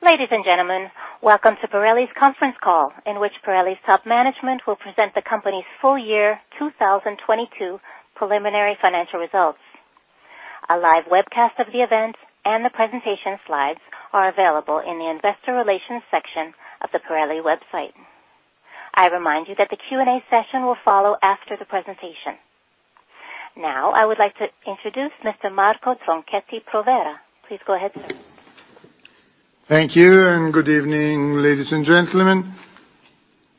Ladies and gentlemen, welcome to Pirelli's conference call, in which Pirelli's top management will present the company's full-year 2022 preliminary financial results. A live webcast of the event and the presentation slides are available in the Investor Relations section of the Pirelli website. I remind you that the Q&A session will follow after the presentation. Now, I would like to introduce Mr. Marco Tronchetti Provera. Please go ahead, sir. Thank you. Good evening, ladies and gentlemen.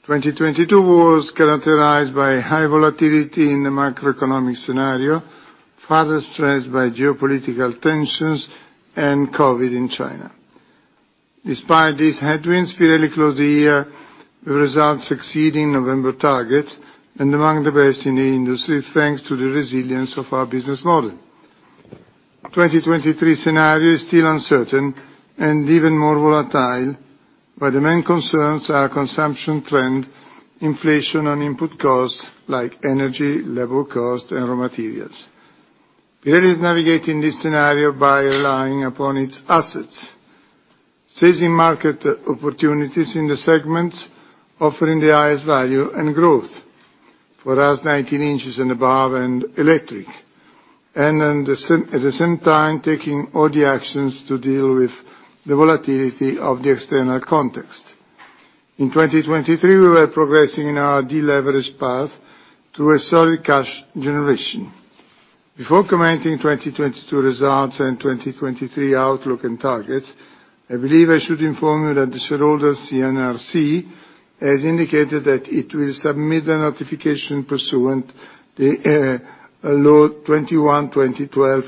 2022 was characterized by high volatility in the macroeconomic scenario, further stressed by geopolitical tensions and COVID in China. Despite these headwinds, Pirelli closed the year with results exceeding November targets and among the best in the industry, thanks to the resilience of our business model. 2023 scenario is still uncertain and even more volatile, where the main concerns are consumption trend, inflation on input costs like energy, labor cost, and raw materials. Pirelli is navigating this scenario by relying upon its assets, seizing market opportunities in the segments offering the highest value and growth. For us, 19 in and above and electric. At the same time, taking all the actions to deal with the volatility of the external context. In 2023, we were progressing in our deleverage path to a solid cash generation. Before commenting 2022 results and 2023 outlook and targets, I believe I should inform you that the shareholder CNRC has indicated that it will submit a notification pursuant the law 21/2012,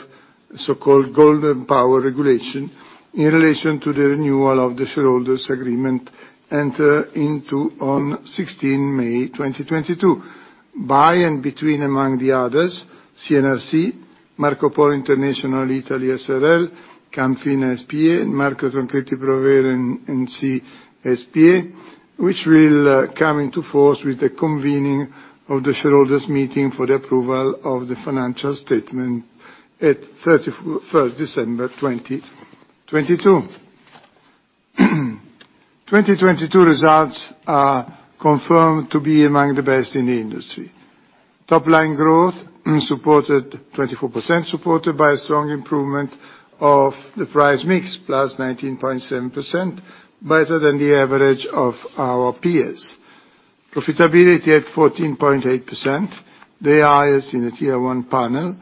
so-called Golden Power regulation, in relation to the renewal of the shareholders agreement entered into on 16th May 2022. By and between, among the others, CNRC, Marco Polo International Italy S.r.l., Camfin SpA, and Marco Tronchetti Provera & C. SpA, which will come into force with the convening of the shareholders meeting for the approval of the financial statement at 31st December 2022. 2022 results are confirmed to be among the best in the industry. Top line growth, supported 24%, by a strong improvement of the price mix, plus 19.7%, better than the average of our peers. Profitability at 14.8%, the highest in the Tier 1 panel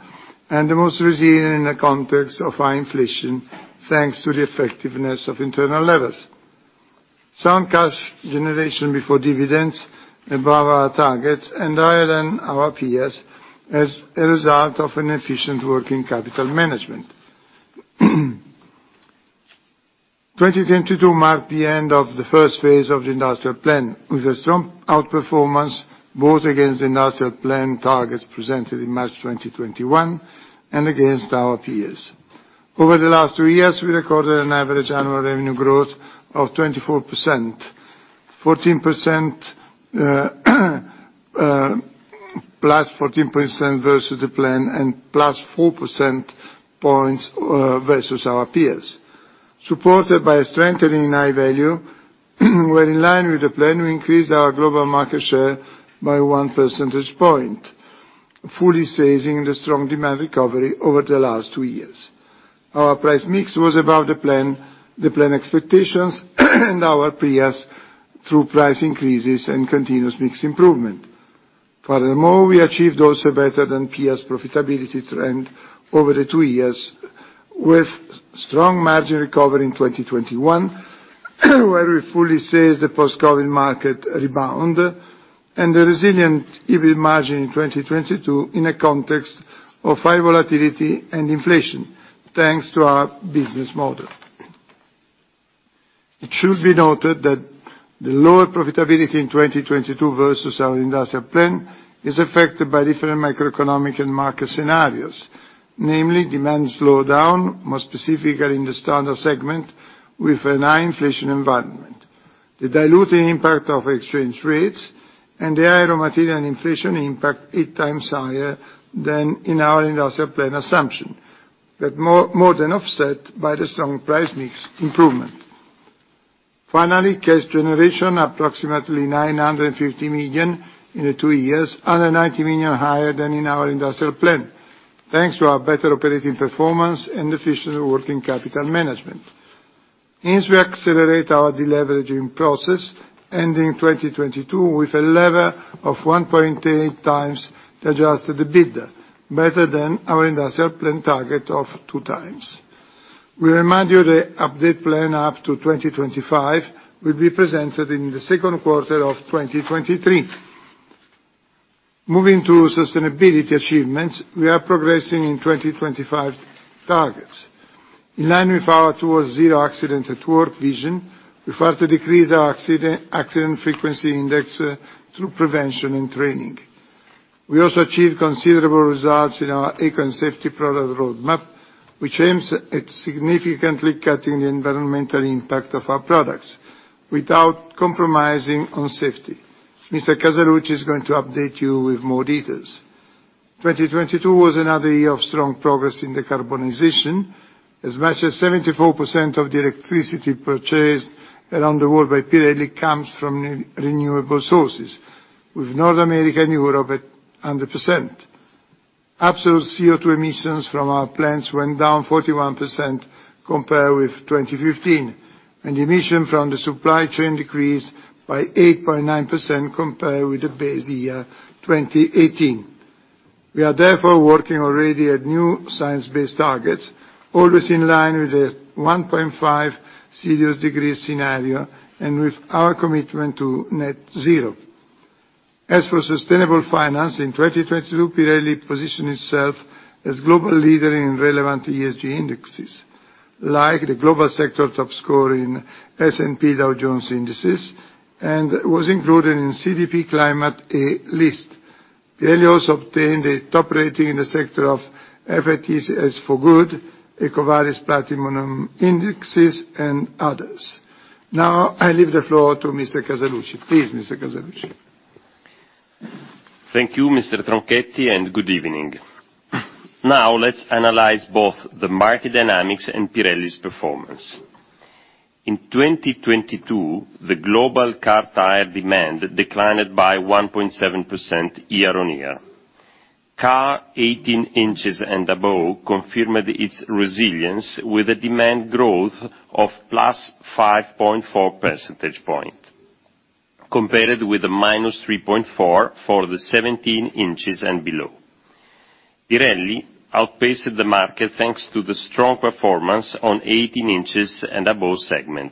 and the most resilient in the context of high inflation, thanks to the effectiveness of internal levers. Sound cash generation before dividends above our targets and higher than our peers as a result of an efficient working capital management. 2022 marked the end of the first phase of the industrial plan with a strong outperformance, both against the industrial plan targets presented in March 2021 and against our peers. Over the last two years, we recorded an average annual revenue growth of 24%. 14%, +14% versus the plan and +4 percentage points versus our peers. Supported by a strengthening in High Value, we're in line with the plan to increase our global market share by 1 percentage point, fully seizing the strong demand recovery over the last two years. Our price mix was above the plan expectations and our peers through price increases and continuous mix improvement. We achieved also better than peers profitability trend over the two years with strong margin recovery in 2021, where we fully seized the post-COVID market rebound and the resilient EBIT margin in 2022 in a context of high volatility and inflation, thanks to our business model. It should be noted that the lower profitability in 2022 versus our industrial plan is affected by different macroeconomic and market scenarios, namely demand slowdown, more specifically in the Standard segment with a high inflation environment. The diluting impact of exchange rates and the higher material and inflation impact eight times higher than in our industrial plan assumption. More than offset by the strong price mix improvement. Finally, cash generation approximately 950 million in the two years, 90 million higher than in our industrial plan, thanks to our better operating performance and efficient working capital management. Hence, we accelerate our deleveraging process, ending 2022 with a level of 1.8x the Adjusted EBITDA, better than our industrial plan target of 2x. We remind you the update plan up to 2025 will be presented in the second quarter of 2023. Moving to sustainability achievements, we are progressing in 2025 targets. In line with our towards zero accident at work vision, we start to decrease our accident frequency index through prevention and training. We also achieved considerable results in our eco and safety product roadmap, which aims at significantly cutting the environmental impact of our products without compromising on safety. Mr. Casaluci is going to update you with more details. 2022 was another year of strong progress in decarbonization. As much as 74% of the electricity purchased around the world by Pirelli comes from renewable sources, with North America and Europe at 100%. Absolute CO2 emissions from our plants went down 41% compared with 2015, and emission from the supply chain decreased by 8.9% compared with the base year 2018. We are therefore working already at new science-based targets, always in line with the 1.5 Celsius degree scenario and with our commitment to net zero. As for sustainable finance, in 2022, Pirelli positioned itself as global leader in relevant ESG Indeces, like the global sector top score in S&P Dow Jones Indices, and was included in CDP Climate 'A' List. Pirelli also obtained a top rating in the sector of FTSE4Good, EcoVadis Platinum Indices, and others. I leave the floor to Mr. Casaluci. Please, Mr. Casaluci. Thank you, Mr. Tronchetti, and good evening. Now, let's analyze both the market dynamics and Pirelli's performance. In 2022, the global car tyre demand declined by 1.7% year-on-year. Car 18 in and above confirmed its resilience with a demand growth of +5.4 percentage point compared with a -3.4 for the 17 in and below. Pirelli outpaced the market, thanks to the strong performance on 18 in and above segment.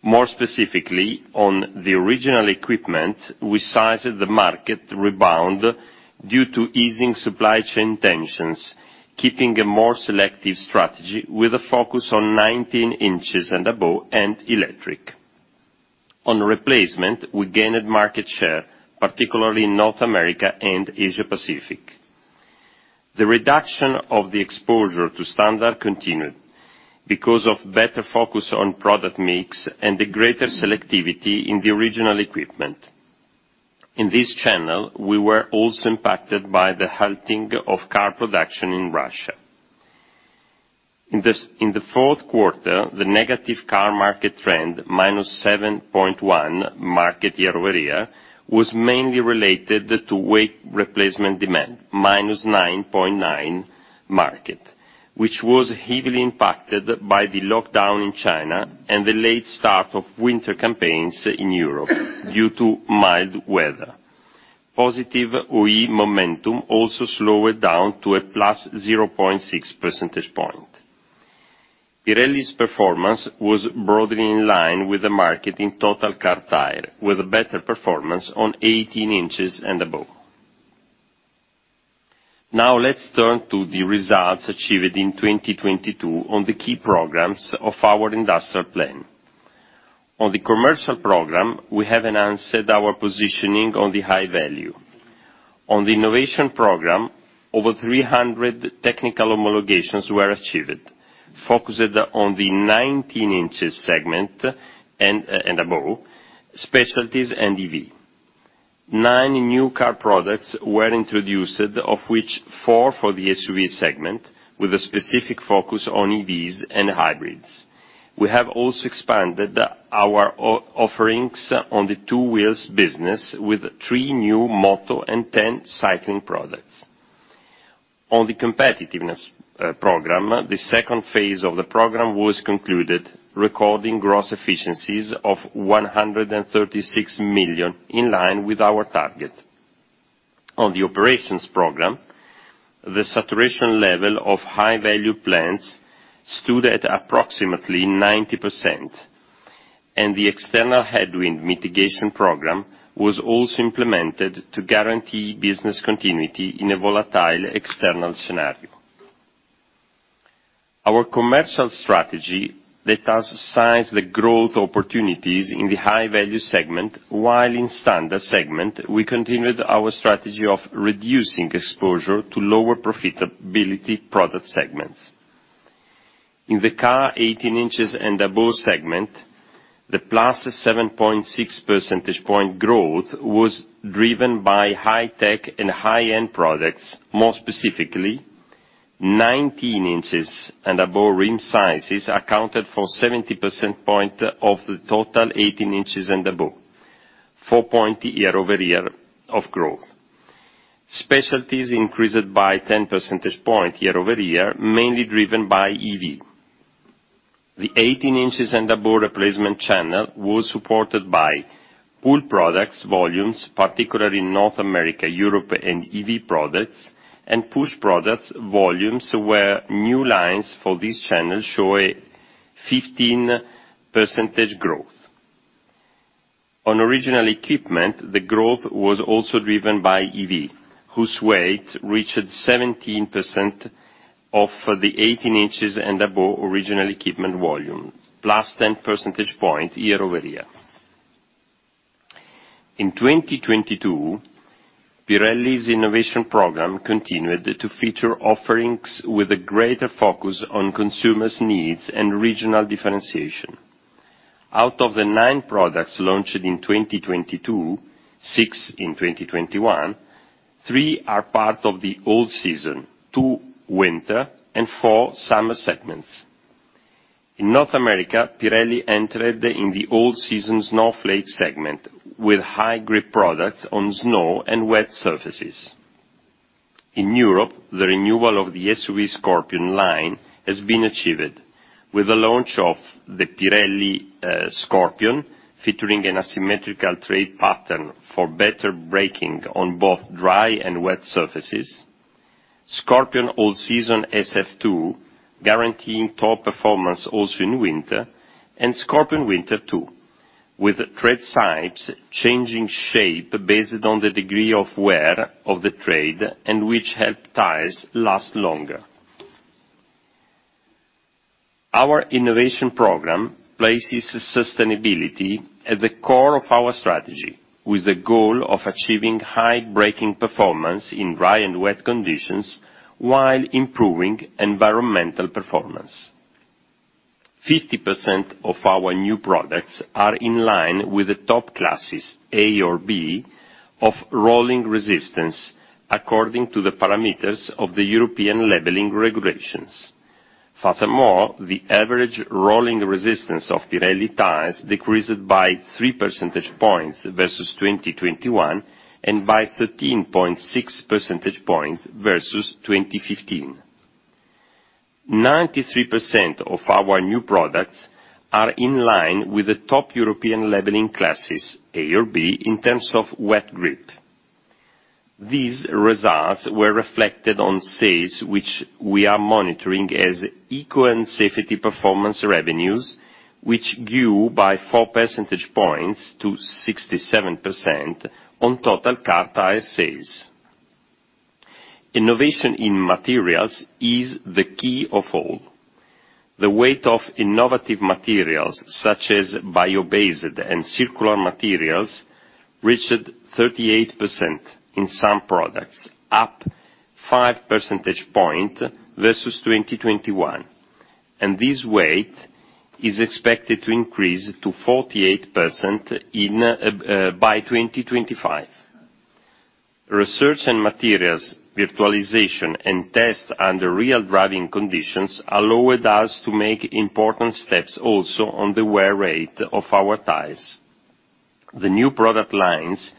More specifically, on the original equipment, we sized the market rebound due to easing supply chain tensions, keeping a more selective strategy with a focus on 19 in and above and electric. On replacement, we gained market share, particularly in North America and Asia Pacific. The reduction of the exposure to Standard continued because of better focus on product mix and the greater selectivity in the original equipment. In this channel, we were also impacted by the halting of car production in Russia. In the fourth quarter, the negative car market trend, -7.1% year-over-year, was mainly related to weight replacement demand, -9.9%, which was heavily impacted by the lockdown in China and the late start of Winter campaigns in Europe due to mild weather. Positive OE momentum also slowed down to a +0.6 percentage point. Pirelli's performance was broadly in line with the market in total car tyre, with a better performance on 18 in and above. Let's turn to the results achieved in 2022 on the key programs of our industrial plan. On the commercial program, we have enhanced our positioning on the High Value. On the innovation program, over 300 technical homologations were achieved, focused on the 19 in segment and above, specialties and EV. Nine new car products were introduced, of which four for the SUV segment, with a specific focus on EVs and hybrids. We have also expanded our offerings on the two-wheels business with three new model and 10 cycling products. On the competitiveness program, the second phase of the program was concluded, recording gross efficiencies of 136 million, in line with our target. On the operations program, the saturation level of High Value plans stood at approximately 90%, and the external headwind mitigation program was also implemented to guarantee business continuity in a volatile external scenario. Our commercial strategy let us seize the growth opportunities in the High Value segment, while in Standard segment, we continued our strategy of reducing exposure to lower profitability product segments. In the car 18 in and above segment, the +7.6 percentage point growth was driven by high-tech and high-end products. More specifically, 19 in and above rim sizes accounted for 70% point of the total 18 in and above, 4 point year-over-year of growth. Specialties increased by 10 percentage point year-over-year, mainly driven by EV. The 18 in and above replacement channel was supported by pull products, volumes, particularly in North America, Europe, and EV products, and push products, volumes where new lines for this channel show a 15% growth. On original equipment, the growth was also driven by EV, whose weight reached 17% of the 18 in and above original equipment volume, +10 percentage point year-over-year. In 2022, Pirelli's innovation program continued to feature offerings with a greater focus on consumers' needs and regional differentiation. Out of the nine products launched in 2022, six in 2021, three are part of the all-season, two Winter and four Summer segments. In North America, Pirelli entered in the All Season Snowflake segment with high grip products on snow and wet surfaces. In Europe, the renewal of the SUV Scorpion line has been achieved with the launch of the Pirelli Scorpion, featuring an asymmetrical tread pattern for better braking on both dry and wet surfaces. Scorpion All Season SF2, guaranteeing top performance also in Winter, and Scorpion Winter 2, with tread sides changing shape based on the degree of wear of the tread, and which help tyres last longer. Our innovation program places sustainability at the core of our strategy, with the goal of achieving high braking performance in dry and wet conditions while improving environmental performan ce. 50% of our new products are in line with the top classes, A or B, of rolling resistance according to the parameters of the European labeling regulations. Furthermore, the average rolling resistance of Pirelli tyres decreased by 3 percentage points versus 2021, and by 13.6 percentage points versus 2015. 93% of our new products are in line with the top European labeling classes, A or B, in terms of wet grip. These results were reflected on sales, which we are monitoring as eco and safety performance revenues, which grew by 4 percentage points to 67% on total car tyre sales. Innovation in materials is the key of all. The weight of innovative materials such as bio-based and circular materials reached 38% in some products, up 5 percentage point versus 2021. This weight is expected to increase to 48% by 2025. Research and materials virtualization and test under real driving conditions allowed us to make important steps also on the wear rate of our tyres. The new product lines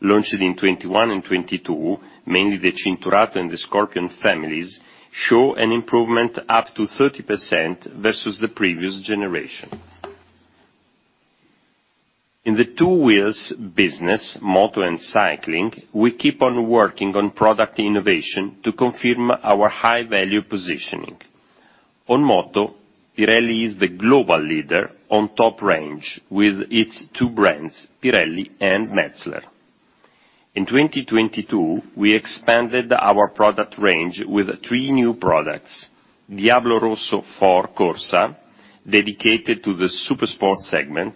launched in 2021 and 2022, mainly the Cinturato and the Scorpion families, show an improvement up to 30% versus the previous generation. In the two-wheels business, moto and cycling, we keep on working on product innovation to confirm our High Value positioning. On moto, Pirelli is the global leader on top range with its two brands, Pirelli and Metzeler. In 2022, we expanded our product range with three new products. DIABLO ROSSO IV CORSA, dedicated to the Supersport segment.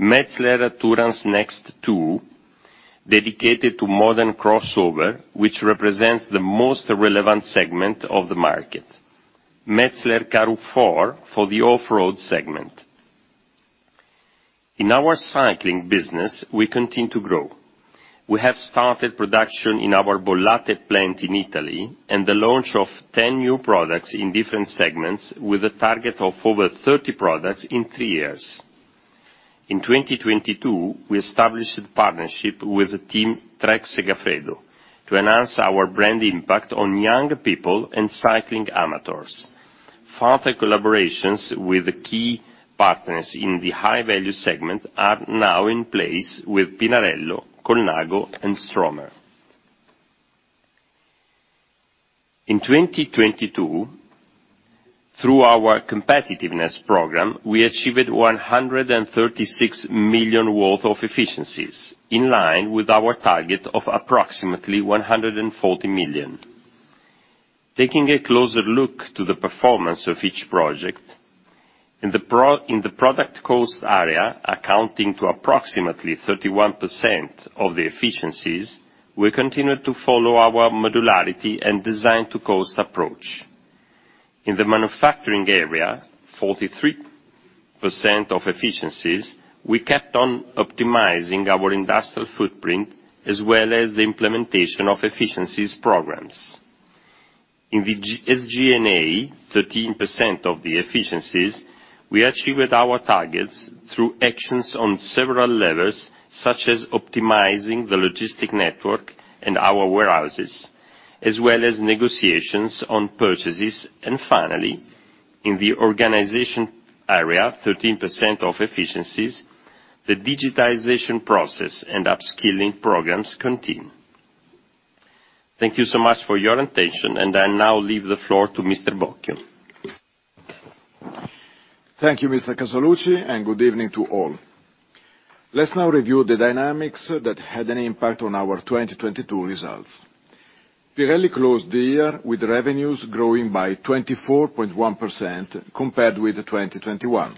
Metzeler Tourance Next 2, dedicated to modern crossover, which represents the most relevant segment of the market. Metzeler KAROO 4 for the off-road segment. In our cycling business, we continue to grow. We have started production in our Bollate plant in Italy and the launch of 10 new products in different segments with a target of over 30 products in three years. In 2022, we established partnership with Team Trek-Segafredo to enhance our brand impact on young people and cycling amateurs. Further collaborations with the key partners in the High Value segment are now in place with Pinarello, Colnago, and Stromer. In 2022, through our competitiveness program, we achieved 136 million worth of efficiencies, in line with our target of approximately 140 million. Taking a closer look to the performance of each project, in the product cost area accounting to approximately 31% of the efficiencies, we continue to follow our modularity and design to cost approach. In the manufacturing area, 43% of efficiencies, we kept on optimizing our industrial footprint as well as the implementation of efficiencies programs. In the SG&A, 13% of the efficiencies, we achieved our targets through actions on several levels, such as optimizing the logistic network and our warehouses, as well as negotiations on purchases. Finally, in the organization area, 13% of efficiencies, the digitization process and upskilling programs continue. Thank you so much for your attention, and I now leave the floor to Mr. Bocchio. Thank you, Mr. Casaluci. Good evening to all. Let's now review the dynamics that had an impact on our 2022 results. Pirelli closed the year with revenues growing by 24.1% compared with 2021.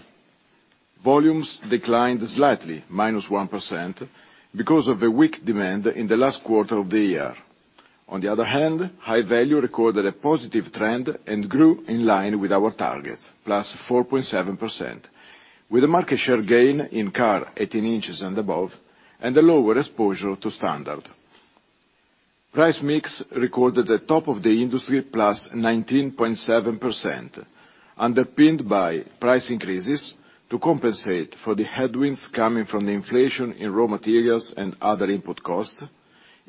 Volumes declined slightly, -1%, because of the weak demand in the last quarter of the year. On the other hand, High Value recorded a positive trend and grew in line with our targets, +4.7%, with a market share gain in car 18 in and above, and a lower exposure to Standard. Price mix recorded the top of the industry +19.7%, underpinned by price increases to compensate for the headwinds coming from the inflation in raw materials and other input costs.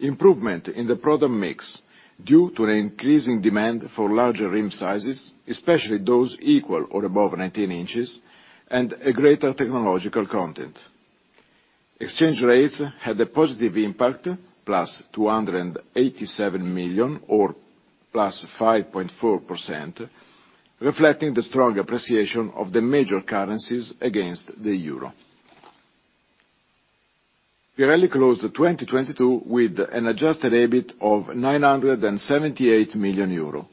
Improvement in the product mix due to an increasing demand for larger rim sizes, especially those equal or above 19 in, and a greater technological content. Exchange rates had a positive impact, + 287 million or +5.4%, reflecting the strong appreciation of the major currencies against the Euro. Pirelli closed 2022 with an Adjusted EBIT of 978 million euro,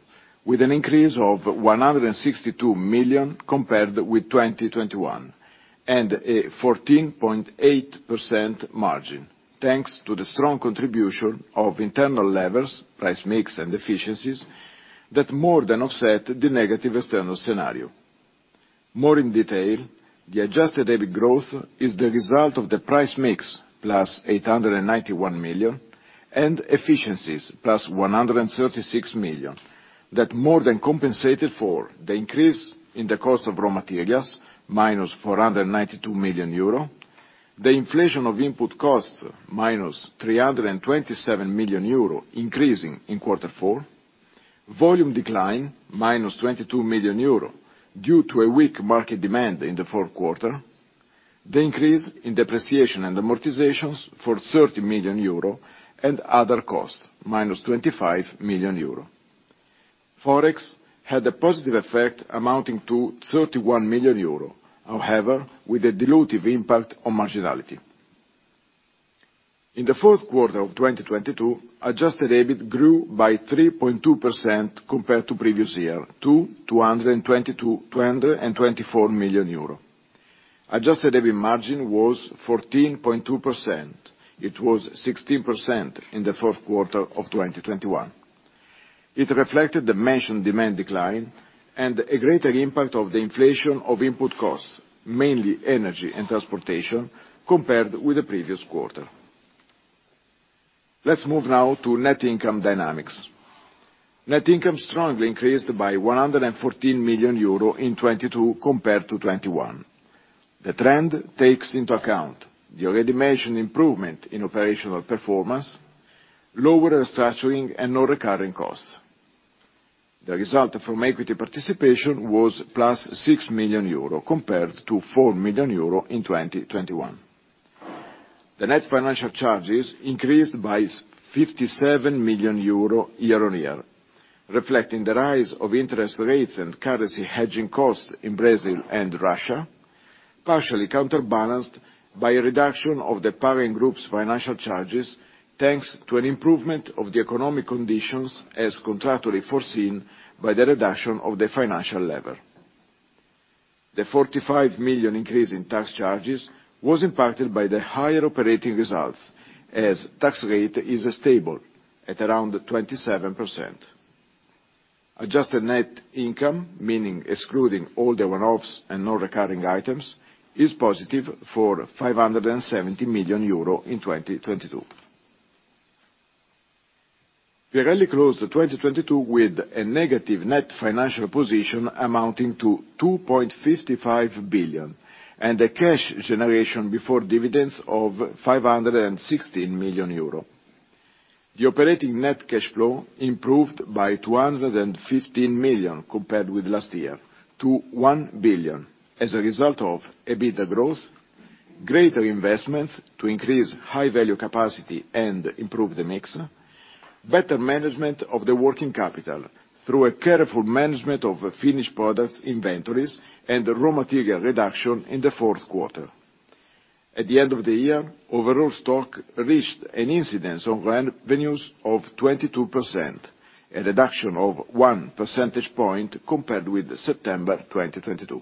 with an increase of 162 million compared with 2021, and a 14.8% margin, thanks to the strong contribution of internal levers, price mix and efficiencies, that more than offset the negative external scenario. More in detail, the Adjusted EBIT growth is the result of the price mix +891 million and efficiencies +136 million. That more than compensated for the increase in the cost of raw materials, -492 million euro. The inflation of input costs, -327 million euro increasing in quarter four. Volume decline, -22 million euro due to a weak market demand in the fourth quarter. The increase in depreciation and amortizations for 30 million euro and other costs, -25 million euro. Forex had a positive effect amounting to 31 million euro, however, with a dilutive impact on marginality. In the fourth quarter of 2022, Adjusted EBIT grew by 3.2% compared to previous year to 222 million, 224 million euro. Adjusted EBIT margin was 14.2%. It was 16% in the fourth quarter of 2021. It reflected the mentioned demand decline and a greater impact of the inflation of input costs, mainly energy and transportation, compared with the previous quarter. Let's move now to net income dynamics. Net income strongly increased by 114 million euro in 2022 compared to 2021. The trend takes into account the already mentioned improvement in operational performance, lower restructuring and non-recurring costs. The result from equity participation was +6 million euro compared to 4 million euro in 2021. The net financial charges increased by 57 million euro year-on-year, reflecting the rise of interest rates and currency hedging costs in Brazil and Russia, partially counterbalanced by a reduction of the parent group's financial charges thanks to an improvement of the economic conditions as contractually foreseen by the reduction of the financial lever. The 45 million increase in tax charges was impacted by the higher operating results as tax rate is stable at around 27%. Adjusted net income, meaning excluding all the one-offs and non-recurring items, is positive for 570 million euro in 2022. Pirelli closed 2022 with a negative net financial position amounting to 2.55 billion, and a cash generation before dividends of 516 million euro. The operating net cash flow improved by 215 million compared with last year to 1 billion as a result of EBITDA growth, greater investments to increase High Value capacity and improve the mix, better management of the working capital through a careful management of finished products inventories, and raw material reduction in the fourth quarter. At the end of the year, overall stock reached an incidence on revenues of 22%, a reduction of 1 percentage point compared with September 2022.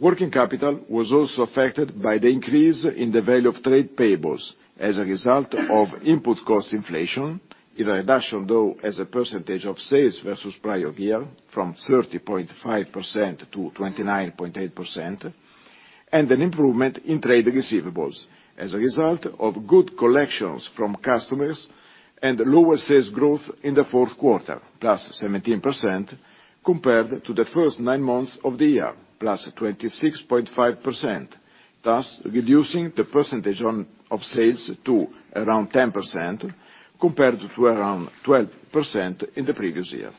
Working capital was also affected by the increase in the value of trade payables as a result of input cost inflation. In a reduction, though, as a percentage of sales versus prior year from 30.5% to 29.8%, and an improvement in trade receivables as a result of good collections from customers and lower sales growth in the fourth quarter, +17%, compared to the first nine months of the year, +26.5%, thus reducing the percentage of sales to around 10% compared to around 12% in the previous year.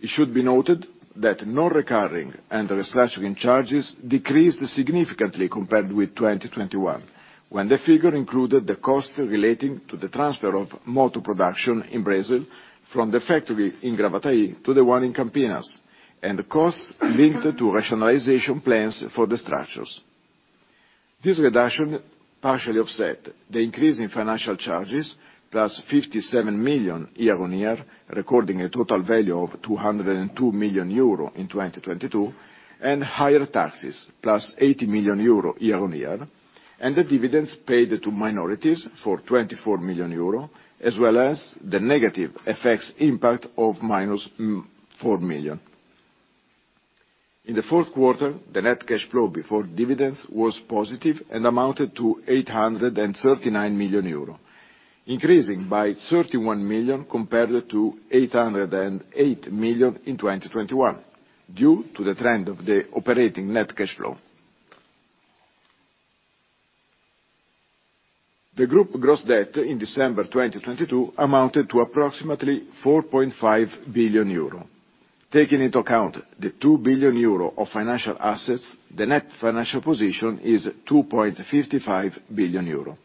It should be noted that non-recurring and restructuring charges decreased significantly compared with 2021, when the figure included the cost relating to the transfer of motor production in Brazil from the factory in Gravataí to the one in Campinas, and the costs linked to rationalization plans for the structures. This reduction partially offset the increase in financial charges, +57 million year-on-year, recording a total value of 202 million euro in 2022, and higher taxes, +80 million euro year-on-year, and the dividends paid to minorities for 24 million euro, as well as the negative effects impact of -4 million. In the fourth quarter, the net cash flow before dividends was positive and amounted to 839 million euro, increasing by 31 million compared to 808 million in 2021 due to the trend of the operating net cash flow. The group gross debt in December 2022 amounted to approximately 4.5 billion euro. Taking into account the 2 billion euro of financial assets, the net financial position is 2.55 billion euro.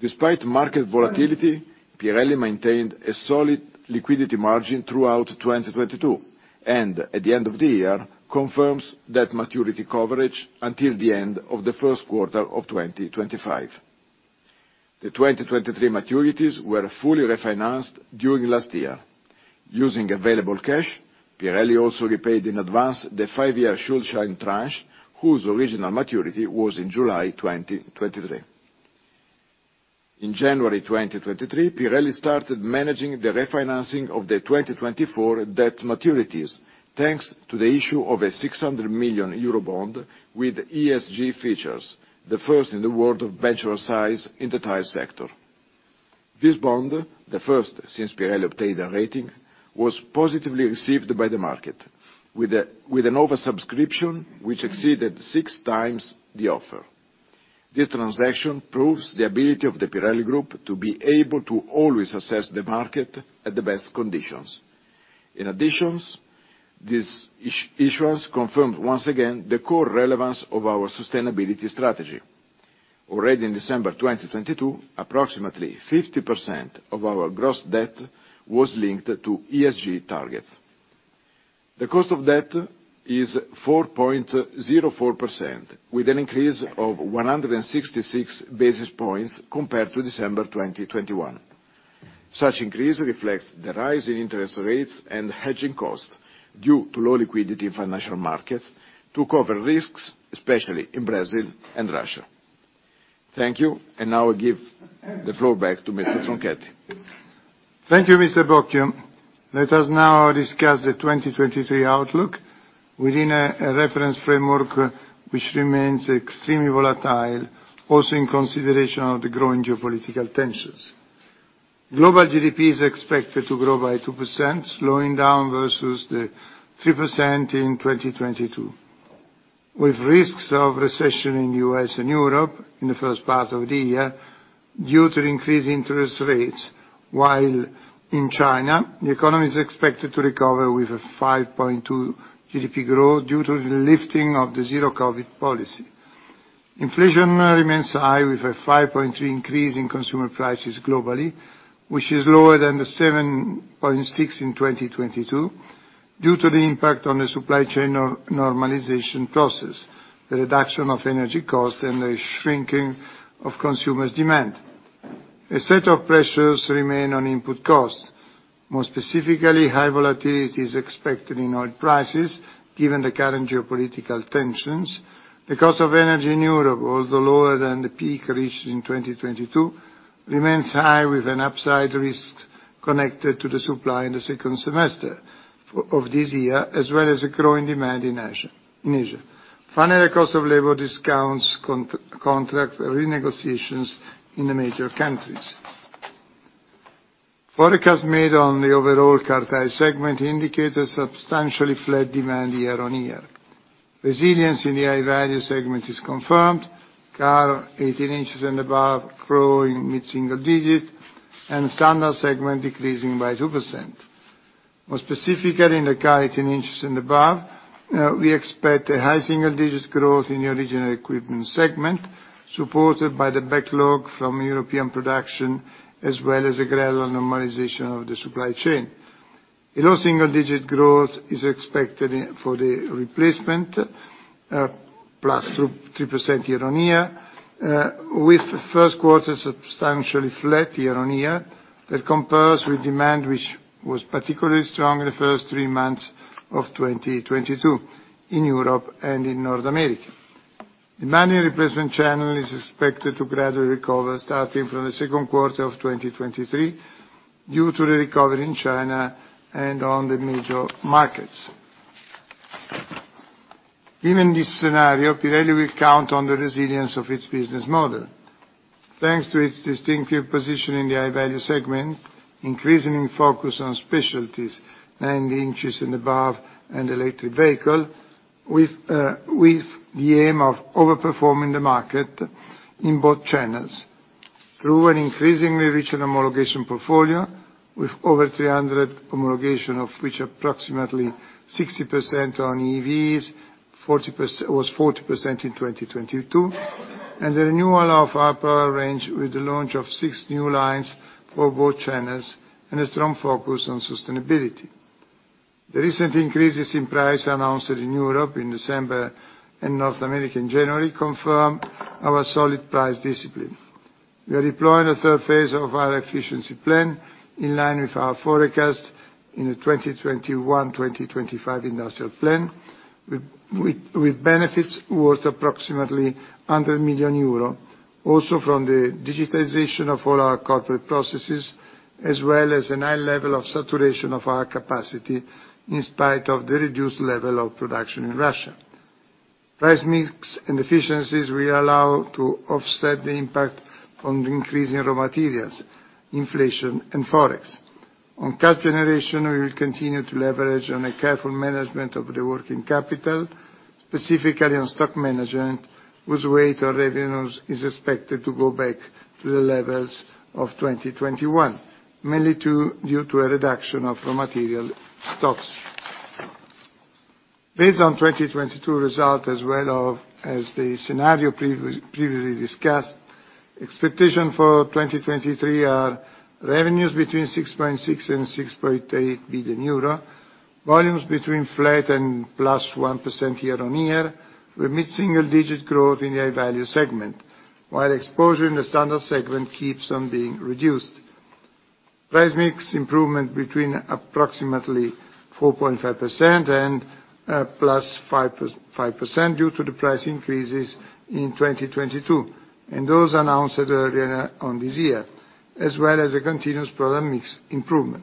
Despite market volatility, Pirelli maintained a solid liquidity margin throughout 2022. At the end of the year, confirms that maturity coverage until the end of the first quarter of 2025. The 2023 maturities were fully refinanced during last year. Using available cash, Pirelli also repaid in advance the five-year Schuldschein tranche, whose original maturity was in July 2023. In January 2023, Pirelli started managing the refinancing of the 2024 debt maturities, thanks to the issue of a 600 million euro bond with ESG features, the first in the world of venture size in the tyre sector. This bond, the first since Pirelli obtained a rating, was positively received by the market with an oversubscription which exceeded six times the offer. This transaction proves the ability of the Pirelli Group to be able to always assess the market at the best conditions. In addition, this issuance confirmed once again the core relevance of our sustainability strategy. Already in December 2022, approximately 50% of our gross debt was linked to ESG targets. The cost of debt is 4.04%, with an increase of 166 basis points compared to December 2021. Such increase reflects the rise in interest rates and hedging costs due to low liquidity in financial markets to cover risks, especially in Brazil and Russia. Thank you. Now I give the floor back to Mr. Tronchetti. Thank you, Mr. Bocchio. Let us now discuss the 2023 outlook within a reference framework which remains extremely volatile, also in consideration of the growing geopolitical tensions. Global GDP is expected to grow by 2%, slowing down versus the 3% in 2022, with risks of recession in U.S. and Europe in the first part of the year due to increased interest rates, while in China, the economy is expected to recover with a 5.2% GDP growth due to the lifting of the zero-COVID policy. Inflation remains high, with a 5.3% increase in consumer prices globally, which is lower than the 7.6% in 2022 due to the impact on the supply chain normalization process, the reduction of energy cost, and the shrinking of consumers' demand. A set of pressures remain on input costs. More specifically, high volatility is expected in oil prices given the current geopolitical tensions. The cost of energy in Europe, although lower than the peak reached in 2022, remains high with an upside risk connected to the supply in the second semester of this year, as well as a growing demand in Asia. Finally, cost of labor discounts contract renegotiations in the major countries. Forecast made on the overall Car Tyre segment indicate a substantially flat demand year-over-year. Resilience in the High Value segment is confirmed. Car 18 in and above growing mid-single digit and Standard segment decreasing by 2%. More specifically, in the car 18 in and above, we expect a high single digit growth in the original equipment segment, supported by the backlog from European production as well as a gradual normalization of the supply chain. A low single digit growth is expected in, for the replacement, +3% year-on-year, with the first quarter substantially flat year-on-year that compares with demand, which was particularly strong in the first three months of 2022 in Europe and in North America. Demand in replacement channel is expected to gradually recover starting from the second quarter of 2023 due to the recovery in China and on the major markets. Given this scenario, Pirelli will count on the resilience of its business model, thanks to its distinctive position in the High Value segment, increasing focus on specialties 9 in and above and electric vehicle, with the aim of overperforming the market in both channels through an increasingly rich homologation portfolio with over 300 homologation, of which approximately 60% on EVs, 40% in 2022, and the renewal of our power range with the launch of six new lines for both channels and a strong focus on sustainability. The recent increases in price announced in Europe in December and North America in January confirm our solid price discipline. We are deploying the third phase of our efficiency plan in line with our forecast in the 2021, 2025 industrial plan with benefits worth approximately 100 million euro, also from the digitization of all our corporate processes, as well as a high level of saturation of our capacity in spite of the reduced level of production in Russia. Price mix and efficiencies will allow to offset the impact from the increase in raw materials, inflation and Forex. On cash generation, we will continue to leverage on a careful management of the working capital, specifically on stock management, whose weight or revenues is expected to go back to the levels of 2021, mainly due to a reduction of raw material stocks. Based on 2022 result as well as the scenario previously discussed, expectation for 2023 are revenues between 6.6 billion and 6.8 billion euro, volumes between flat and +1% year-on-year, with mid-single digit growth in the High Value segment, while exposure in the Standard segment keeps on being reduced. Price mix improvement between approximately 4.5% and +5% due to the price increases in 2022, and those announced earlier on this year, as well as a continuous product mix improvement.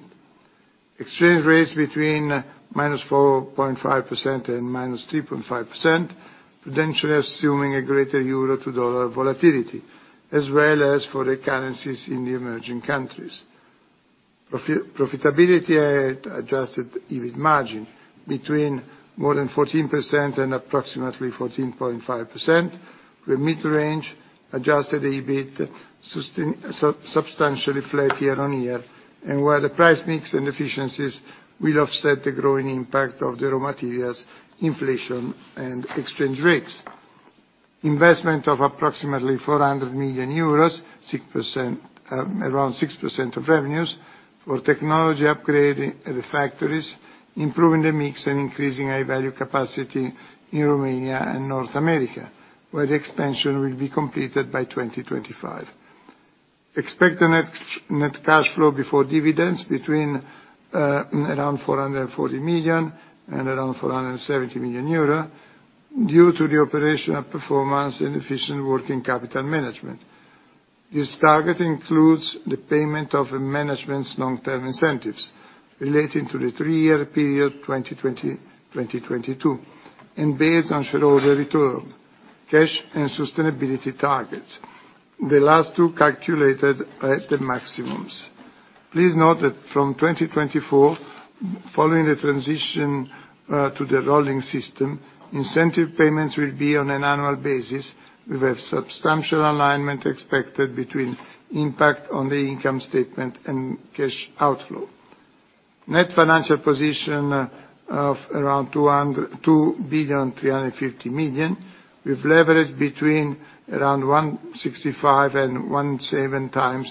Exchange rates between -4.5% and -3.5%, potentially assuming a greater EUR to USD volatility, as well as for the currencies in the emerging countries. Profitability at Adjusted EBIT margin between more than 14% and approximately 14.5%, with mid-range Adjusted EBIT substantially flat year-on-year and where the price mix and efficiencies will offset the growing impact of the raw materials, inflation and exchange rates. Investment of approximately 400 million euros, 6%, around 6% of revenues for technology upgrade at the factories, improving the mix and increasing High Value capacity in Romania and North America, where the expansion will be completed by 2025. Expect a net cash flow before dividends between around 440 million and around 470 million euro due to the operational performance and efficient working capital management. This target includes the payment of management's long-term incentives relating to the three-year period 2020, 2022, and based on shareholder return, cash and sustainability targets, the last two calculated at the maximums. Please note that from 2024, following the transition to the rolling system, incentive payments will be on an annual basis with a substantial alignment expected between impact on the income statement and cash outflow. Net financial position of around 2 billion 350 million, with leverage between around 1.65x and 1.7x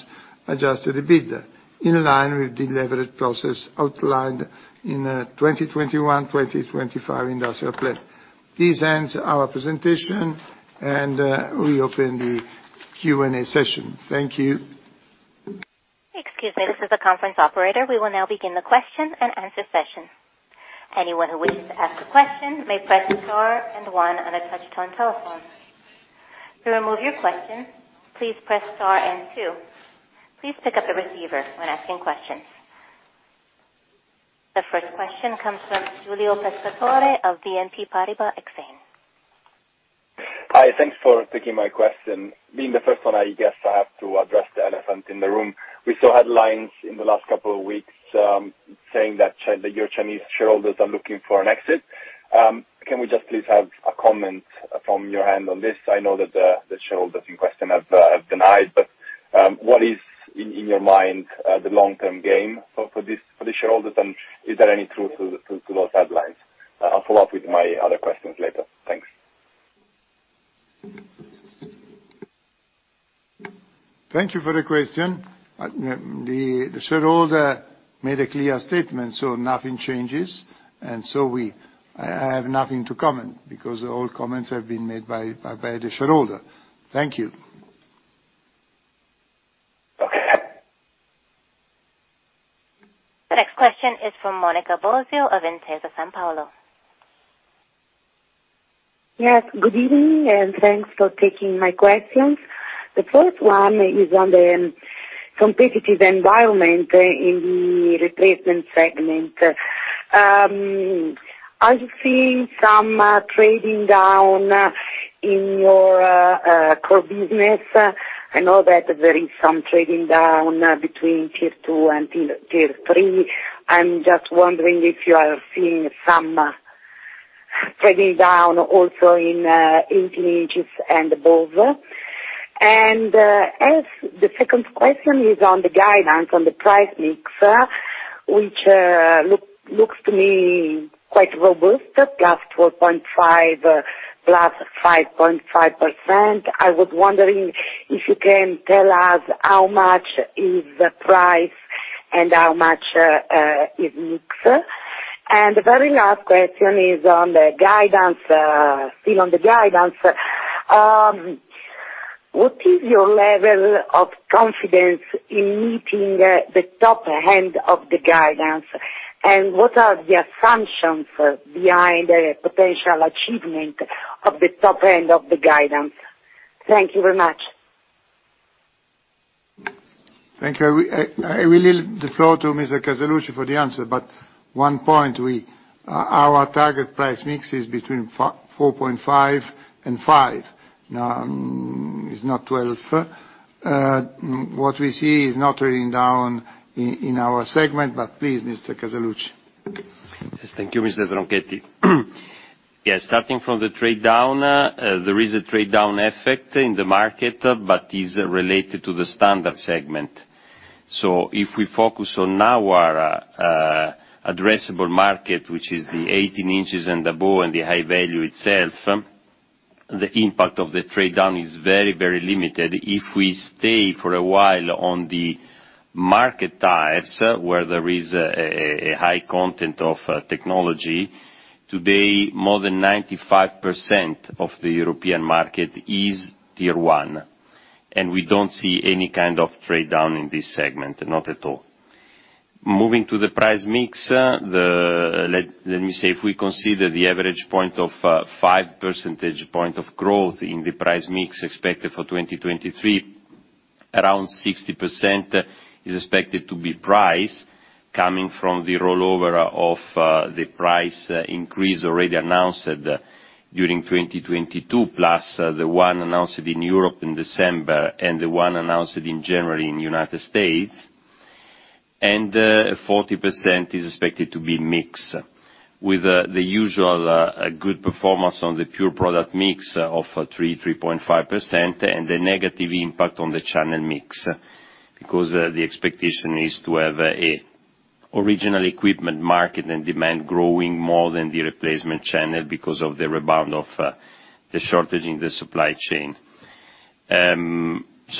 Adjusted EBIT, in line with the leverage process outlined in 2021, 2025 industrial plan. This ends our presentation, and we open the Q&A session. Thank you. Excuse me. This is the conference operator. We will now begin the question-and-answer session. Anyone who wishes to ask a question may press star and one on a touch-tone telephone. To remove your question, please press star and two. Please pick up the receiver when asking questions. The first question comes from Giulio Pescatore of BNP Paribas Exane. Hi. Thanks for taking my question. Being the first one, I guess I have to address the elephant in the room. We saw headlines in the last couple of weeks, saying that your Chinese shareholders are looking for an exit. Can we just please have a comment from your end on this? I know that the shareholders in question have denied, but what is in your mind the long-term game for this, for the shareholders, and is there any truth to those headlines? I'll follow up with my other questions later. Thanks. Thank you for the question. The shareholder made a clear statement, so nothing changes. I have nothing to comment because all comments have been made by the shareholder. Thank you. Okay. The next question is from Monica Bosio of Intesa Sanpaolo. Yes. Good evening, thanks for taking my questions. The first one is on the competitive environment in the Replacement segment. Are you seeing some trading down in your core business? I know that there is some trading down between Tier 2 and Tier 3. I'm just wondering if you are seeing some trading down also in inches and above. As the second question is on the guidance on the price mix, which looks to me quite robust, +4.5%-+5.5%. I was wondering if you can tell us how much is the price and how much is mix. The very last question is on the guidance, still on the guidance. What is your level of confidence in meeting the top end of the guidance? What are the assumptions behind the potential achievement of the top end of the guidance? Thank you very much. Thank you. We leave the floor to Mr. Casaluci for the answer. One point, Our target price mix is between 4.5% and 5%. Now, it's not 12%. What we see is not trading down in our segment. Please, Mr. Casaluci. Thank you, Mr. Tronchetti. Starting from the trade down, there is a trade down effect in the market, but is related to the Standard segment. If we focus on our addressable market, which is the 18 in and above, and the High Value itself, the impact of the trade down is very, very limited. If we stay for a while on the market tyres, where there is a high content of technology, today, more than 95% of the European market is Tier 1, we don't see any kind of trade down in this segment, not at all. Moving to the price mix, let me say, if we consider the average point of 5 percentage point of growth in the price mix expected for 2023, around 60% is expected to be price coming from the rollover of the price increase already announced during 2022, plus the one announced in Europe in December and the one announced in January in United States. 40% is expected to be mix with the usual good performance on the pure product mix of 3.5%, and the negative impact on the channel mix, because the expectation is to have Original Equipment market and demand growing more than the replacement channel because of the rebound of the shortage in the supply chain.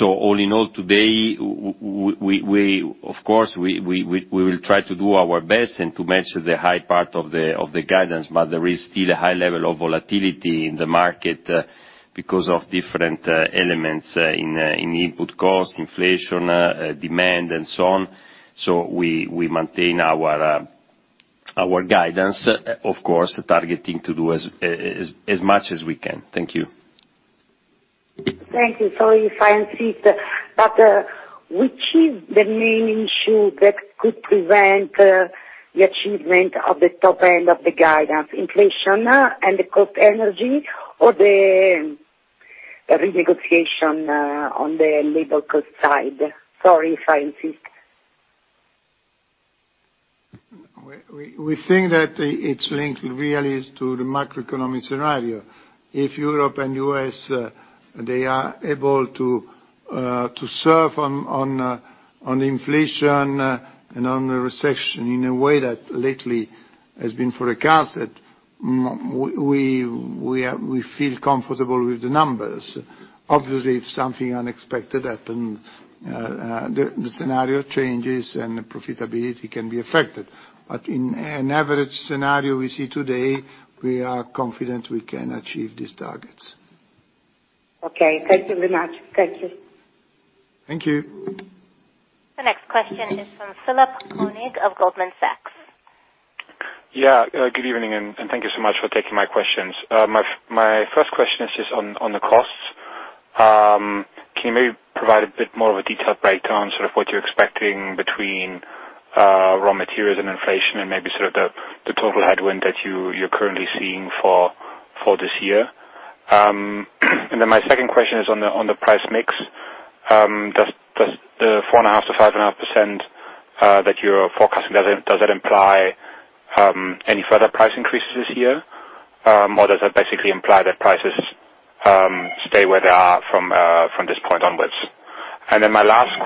All in all, today, we, of course, we will try to do our best and to match the high part of the guidance, but there is still a high level of volatility in the market because of different elements in input costs, inflation, demand, and so on. We maintain our guidance, of course, targeting to do as much as we can. Thank you. Thank you. Sorry if I insist, which is the main issue that could prevent the achievement of the top end of the guidance? Inflation and the cost energy or the renegotiation on the labor cost side? Sorry if I insist. We think that it's linked really to the macroeconomic scenario. If Europe and U.S. they are able to to serve on inflation and on the recession in a way that lately has been forecasted, we feel comfortable with the numbers. Obviously, if something unexpected happen, the scenario changes and the profitability can be affected. In an average scenario we see today, we are confident we can achieve these targets. Okay, thank you very much. Thank you. Thank you. The next question is from Philipp Koenig of Goldman Sachs. Good evening, and thank you so much for taking my questions. My first question is just on the costs. Can you maybe provide a bit more of a detailed breakdown, sort of what you're expecting between raw materials and inflation and maybe sort of the total headwind that you're currently seeing for this year? My second question is on the price mix. Does the 4.5%-5.5% that you're forecasting, does it imply any further price increases this year? Or does that basically imply that prices stay where they are from this point onwards? My last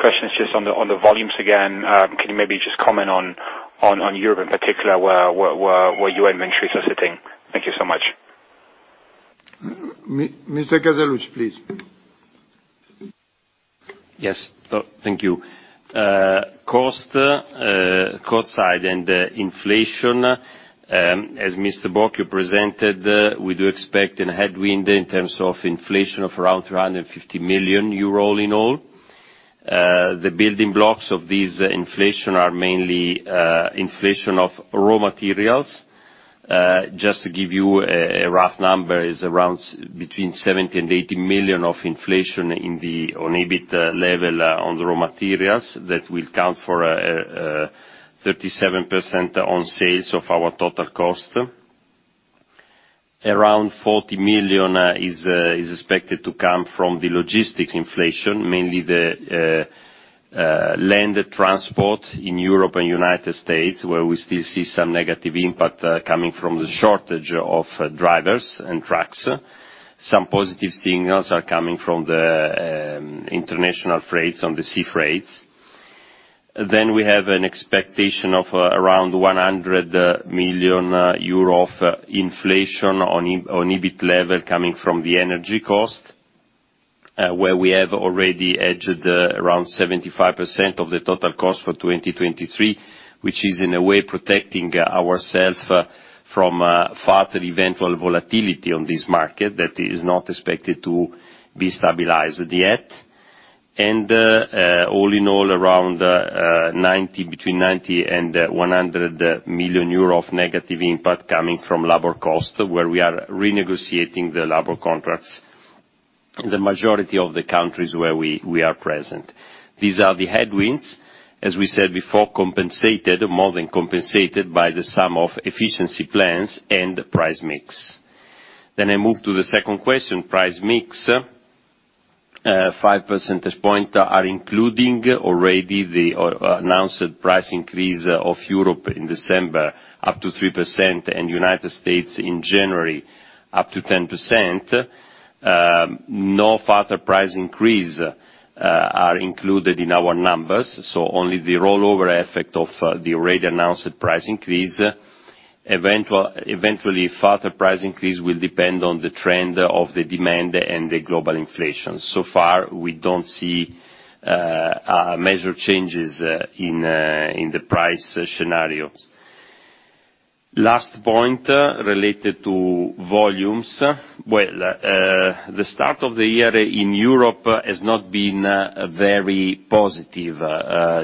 question is just on the volumes again, can you maybe just comment on Europe in particular, where your inventories are sitting? Thank you so much. Mr. Casaluci, please. Yes. Oh, thank you. Cost side and inflation, as Mr. Bocchio presented, we do expect a headwind in terms of inflation of around 350 million euro all in all. The building blocks of this inflation are mainly, inflation of raw materials. Just to give you a rough number, is around between 70 million-80 million of inflation on EBIT level on raw materials that will count for, 37% on sales of our total cost. Around 40 million is expected to come from the logistics inflation, mainly the land transport in Europe and United States, where we still see some negative impact, coming from the shortage of drivers and trucks. Some positive signals are coming from the international freights on the sea freights. We have an expectation of around 100 million euro of inflation on EBIT level coming from the energy costs, where we have already edged around 75% of the total cost for 2023, which is in a way protecting ourselves from further eventual volatility on this market that is not expected to be stabilized yet. All in all, around between 90 million and 100 million euro of negative impact coming from labor cost, where we are renegotiating the labor contracts in the majority of the countries where we are present. These are the headwinds, as we said before, compensated, more than compensated by the sum of efficiency plans and price mix. I move to the second question, price mix. 5 percentage point are including already the announced price increase of Europe in December, up to 3%, and United States in January, up to 10%. No further price increase are included in our numbers, so only the rollover effect of the already announced price increase. Eventually, further price increase will depend on the trend of the demand and the global inflation. So far, we don't see major changes in the price scenario. Last point related to volumes. Well, the start of the year in Europe has not been very positive.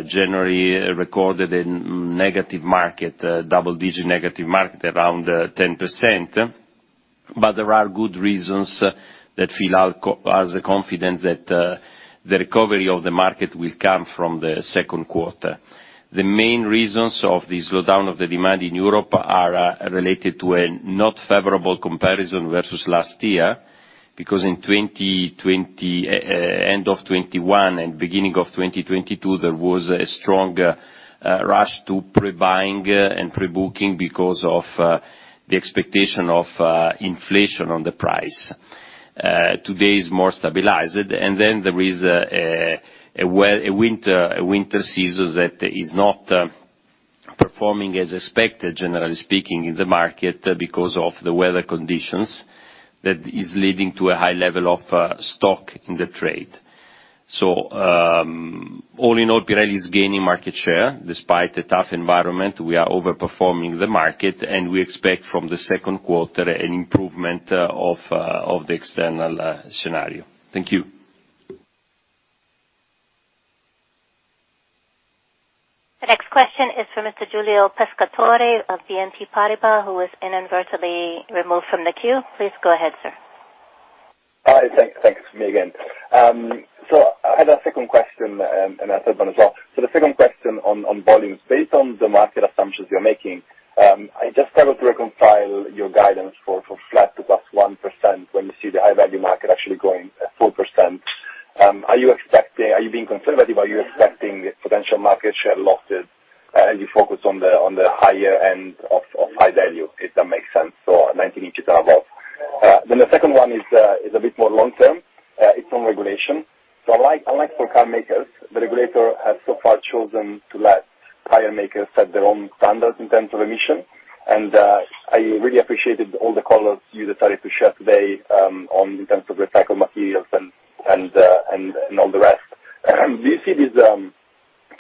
January recorded in negative market, double-digit negative market, around 10%. There are good reasons that fill our confidence that the recovery of the market will come from the second quarter. The main reasons of the slowdown of the demand in Europe are related to a not favorable comparison versus last year, because in 2020, end of 2021 and beginning of 2022, there was a strong rush to pre-buying and pre-booking because of the expectation of inflation on the price. Today is more stabilized. There is a Winter season that is not performing as expected, generally speaking, in the market because of the weather conditions that is leading to a high level of stock in the trade. All in all, Pirelli is gaining market share. Despite the tough environment, we are overperforming the market, and we expect from the second quarter an improvement of the external scenario. Thank you. The next question is from Mr. Giulio Pescatore of BNP Paribas, who was inadvertently removed from the queue. Please go ahead, sir. Hi, thank you. It's me again. I had a second question and a third one as well. The second question on volumes. Based on the market assumptions you're making, I just struggle to reconcile your guidance for flat to +1% when you see the High Value market actually growing at 4%. Are you being conservative? Are you expecting potential market share losses as you focus on the higher end of High Value, if that makes sense, so 19 in and above? The second one is a bit more long term. It's on regulation. Unlike for car makers, the regulator has so far chosen to let tyre makers set their own standards in terms of emission. I really appreciated all the colors you decided to share today, on, in terms of recycled materials and all the rest. Do you see this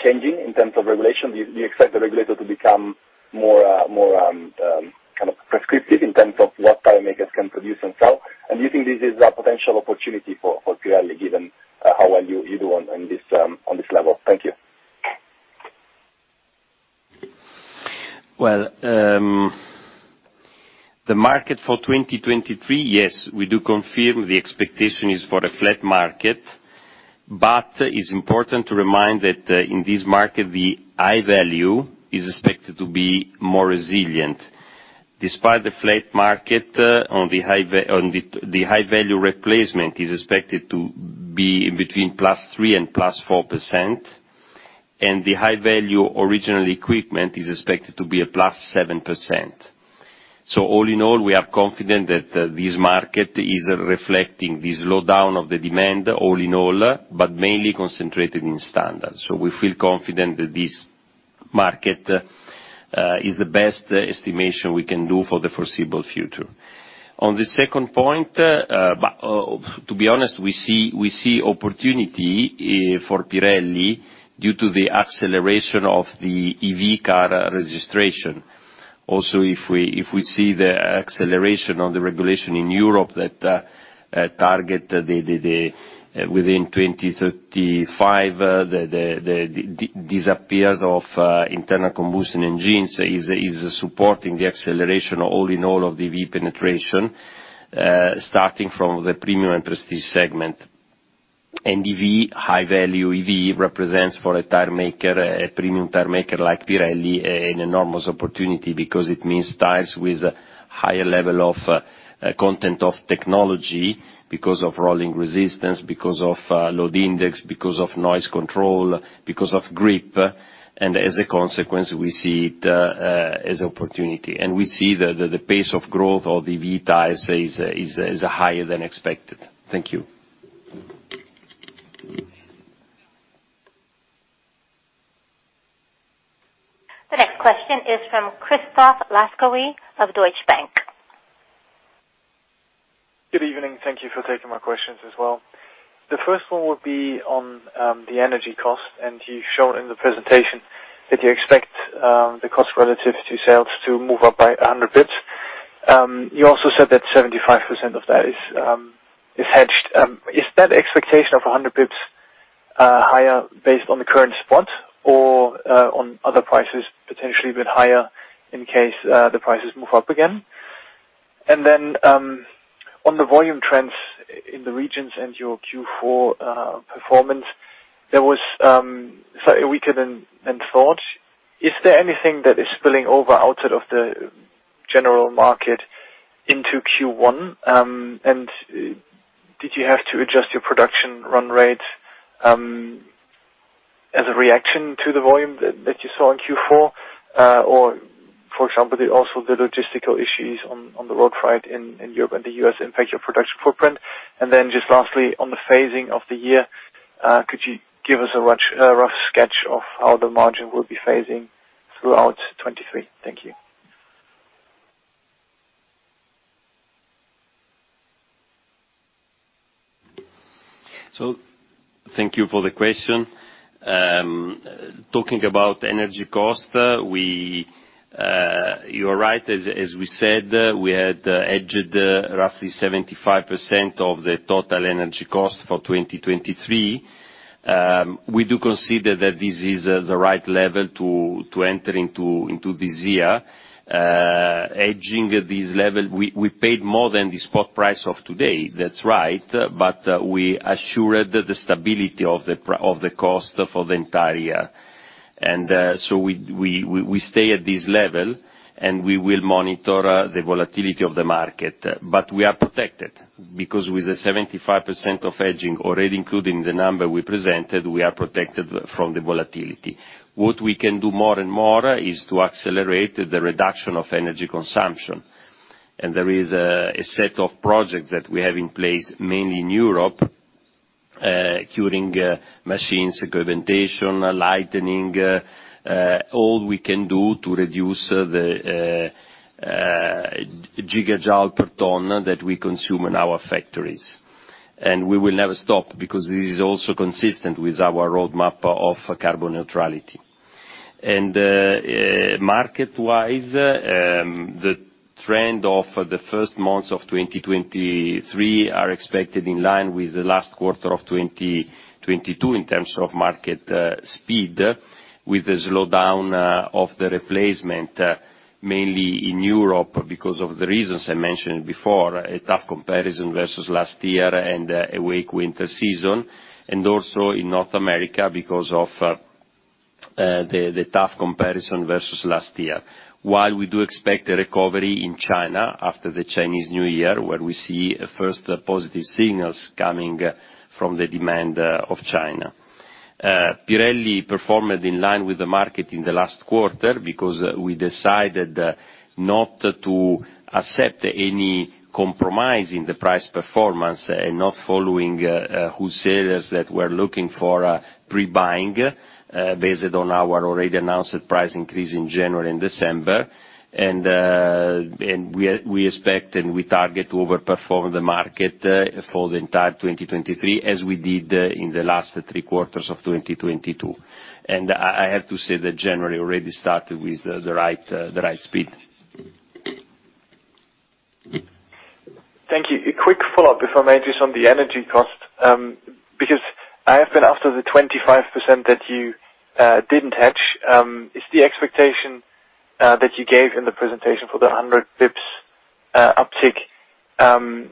changing in terms of regulation? Do you expect the regulator to become more kind of prescriptive in terms of what tyre makers can produce themselves? Do you think this is a potential opportunity for Pirelli, given how well you do on this level? Thank you. The market for 2023, yes, we do confirm the expectation is for a flat market. It's important to remind that in this market, the High Value is expected to be more resilient. Despite the flat market on the High Value replacement is expected to be between +3% and +4%, and the High Value original equipment is expected to be a +7%. All in all, we are confident that this market is reflecting this slowdown of the demand all in all, but mainly concentrated in Standard. We feel confident that this market is the best estimation we can do for the foreseeable future. On the second point, to be honest, we see opportunity for Pirelli due to the acceleration of the EV car registration. Also, if we see the acceleration on the regulation in Europe that target the within 2035, the disappears of internal combustion engines is supporting the acceleration all in all of the EV penetration, starting from the premium and prestige segment. EV, High Value EV represents for a tyre maker, a premium tyre maker like Pirelli, an enormous opportunity because it means tyres with a higher level of content of technology because of rolling resistance, because of load index, because of noise control, because of grip, and as a consequence, we see it as an opportunity. We see the pace of growth of EV tyres is higher than expected. Thank you. The next question is from Christoph Laskawi of Deutsche Bank. Good evening. Thank you for taking my questions as well. The first one would be on the energy cost. You show in the presentation that you expect the cost relativity sales to move up by 100 b[s. You also said that 75% of that is hedged. Is that expectation of 100 bps higher based on the current spot or on other prices potentially a bit higher in case the prices move up again? On the volume trends in the regions and your Q4 performance, there was slightly weaker than thought. Is there anything that is spilling over outside of the general market into Q1? Did you have to adjust your production run rate as a reaction to the volume that you saw in Q4? For example, also the logistical issues on the road freight in Europe and the U.S. impact your production footprint. Just lastly, on the phasing of the year, could you give us a rough sketch of how the margin will be phasing throughout 2023? Thank you. Thank you for the question. Talking about energy cost, we. You're right. As we said, we had hedged roughly 75% of the total energy cost for 2023. We do consider that this is the right level to enter into this year. Hedging this level, we paid more than the spot price of today. That's right, but we assured the stability of the cost for the entire year. So we stay at this level, and we will monitor the volatility of the market. But we are protected because with the 75% of hedging already including the number we presented, we are protected from the volatility. What we can do more and more is to accelerate the reduction of energy consumption. There is a set of projects that we have in place, mainly in Europe, curing machines, equipmentation, lightening, all we can do to reduce the gigajoule per ton that we consume in our factories. We will never stop because this is also consistent with our roadmap of carbon neutrality. Market wise, the trend of the first months of 2023 are expected in line with the last quarter of 2022 in terms of market speed, with the slowdown of the replacement, mainly in Europe, because of the reasons I mentioned before, a tough comparison versus last year and a weak Winter season, and also in North America because of the tough comparison versus last year. While we do expect a recovery in China after the Chinese New Year, where we see first positive signals coming from the demand of China. Pirelli performed in line with the market in the last quarter because we decided not to accept any compromise in the price performance and not following wholesalers that were looking for pre-buying based on our already announced price increase in January and December. We expect and we target to overperform the market for the entire 2023, as we did in the last three quarters of 2022. I have to say that January already started with the right speed. Thank you. A quick follow-up, if I may, just on the energy cost, because I have been after the 25% that you didn't hedge. Is the expectation that you gave in the presentation for the 100 bps uptick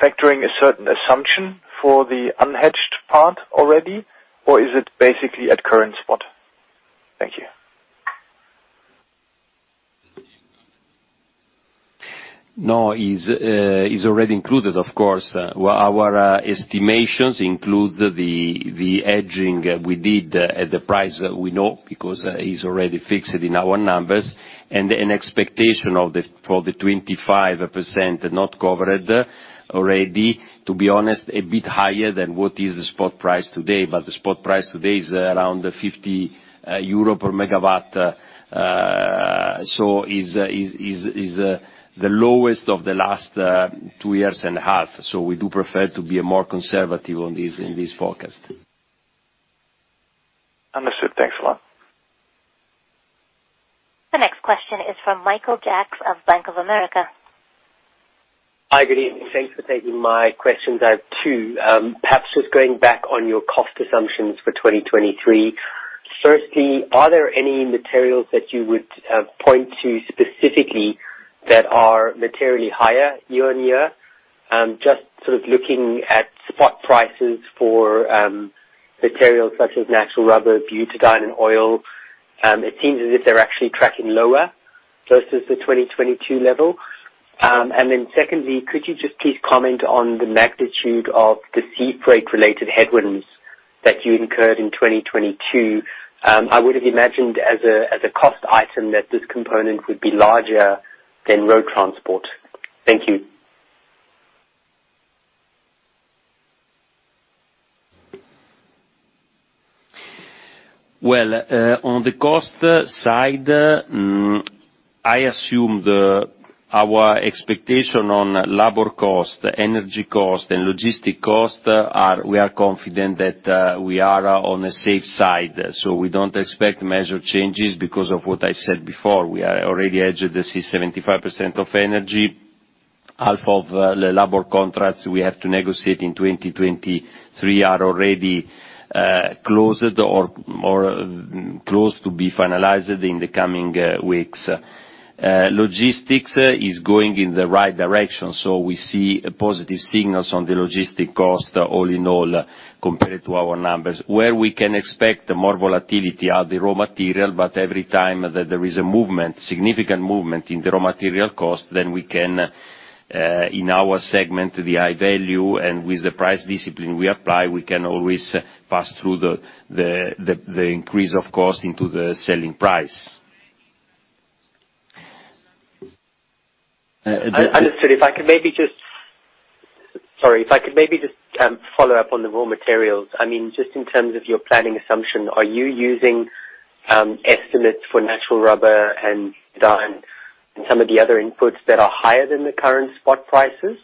factoring a certain assumption for the unhedged part already, or is it basically at current spot? Thank you. Is already included, of course. Our estimations includes the hedging we did at the price we know because it's already fixed in our numbers and an expectation for the 25% not covered already, to be honest, a bit higher than what is the spot price today. The spot price today is around 50 euro per MW. Is the lowest of the last two years and a half. We do prefer to be more conservative on this, in this forecast. Understood. Thanks a lot. The next question is from Michael Jacks of Bank of America. Hi. Good evening. Thanks for taking my questions. I have two. Perhaps just going back on your cost assumptions for 2023. Firstly, are there any materials that you would point to specifically that are materially higher year-on-year? Just sort of looking at spot prices for materials such as natural rubber, butadiene, and oil. It seems as if they're actually tracking lower versus the 2022 level. Secondly, could you just please comment on the magnitude of the sea freight related headwinds that you incurred in 2022? I would have imagined as a cost item that this component would be larger than road transport. Thank you. Well, on the cost side, I assume our expectation on labor cost, energy cost, and logistic cost, we are confident that we are on a safe side. We don't expect major changes because of what I said before. We are already hedged, this is 75% of energy. Half of the labor contracts we have to negotiate in 2020 are already closed or close to be finalized in the coming weeks. Logistics is going in the right direction, we see positive signals on the logistic cost all in all compared to our numbers. Where we can expect more volatility are the raw material. Every time that there is a movement, significant movement in the raw material cost, then we can, in our segment, the High Value, and with the price discipline we apply, we can always pass through the increase of cost into the selling price. Understood. Sorry, if I could maybe just follow up on the raw materials. I mean, just in terms of your planning assumption, are you using estimates for natural rubber and butadiene and some of the other inputs that are higher than the current spot prices?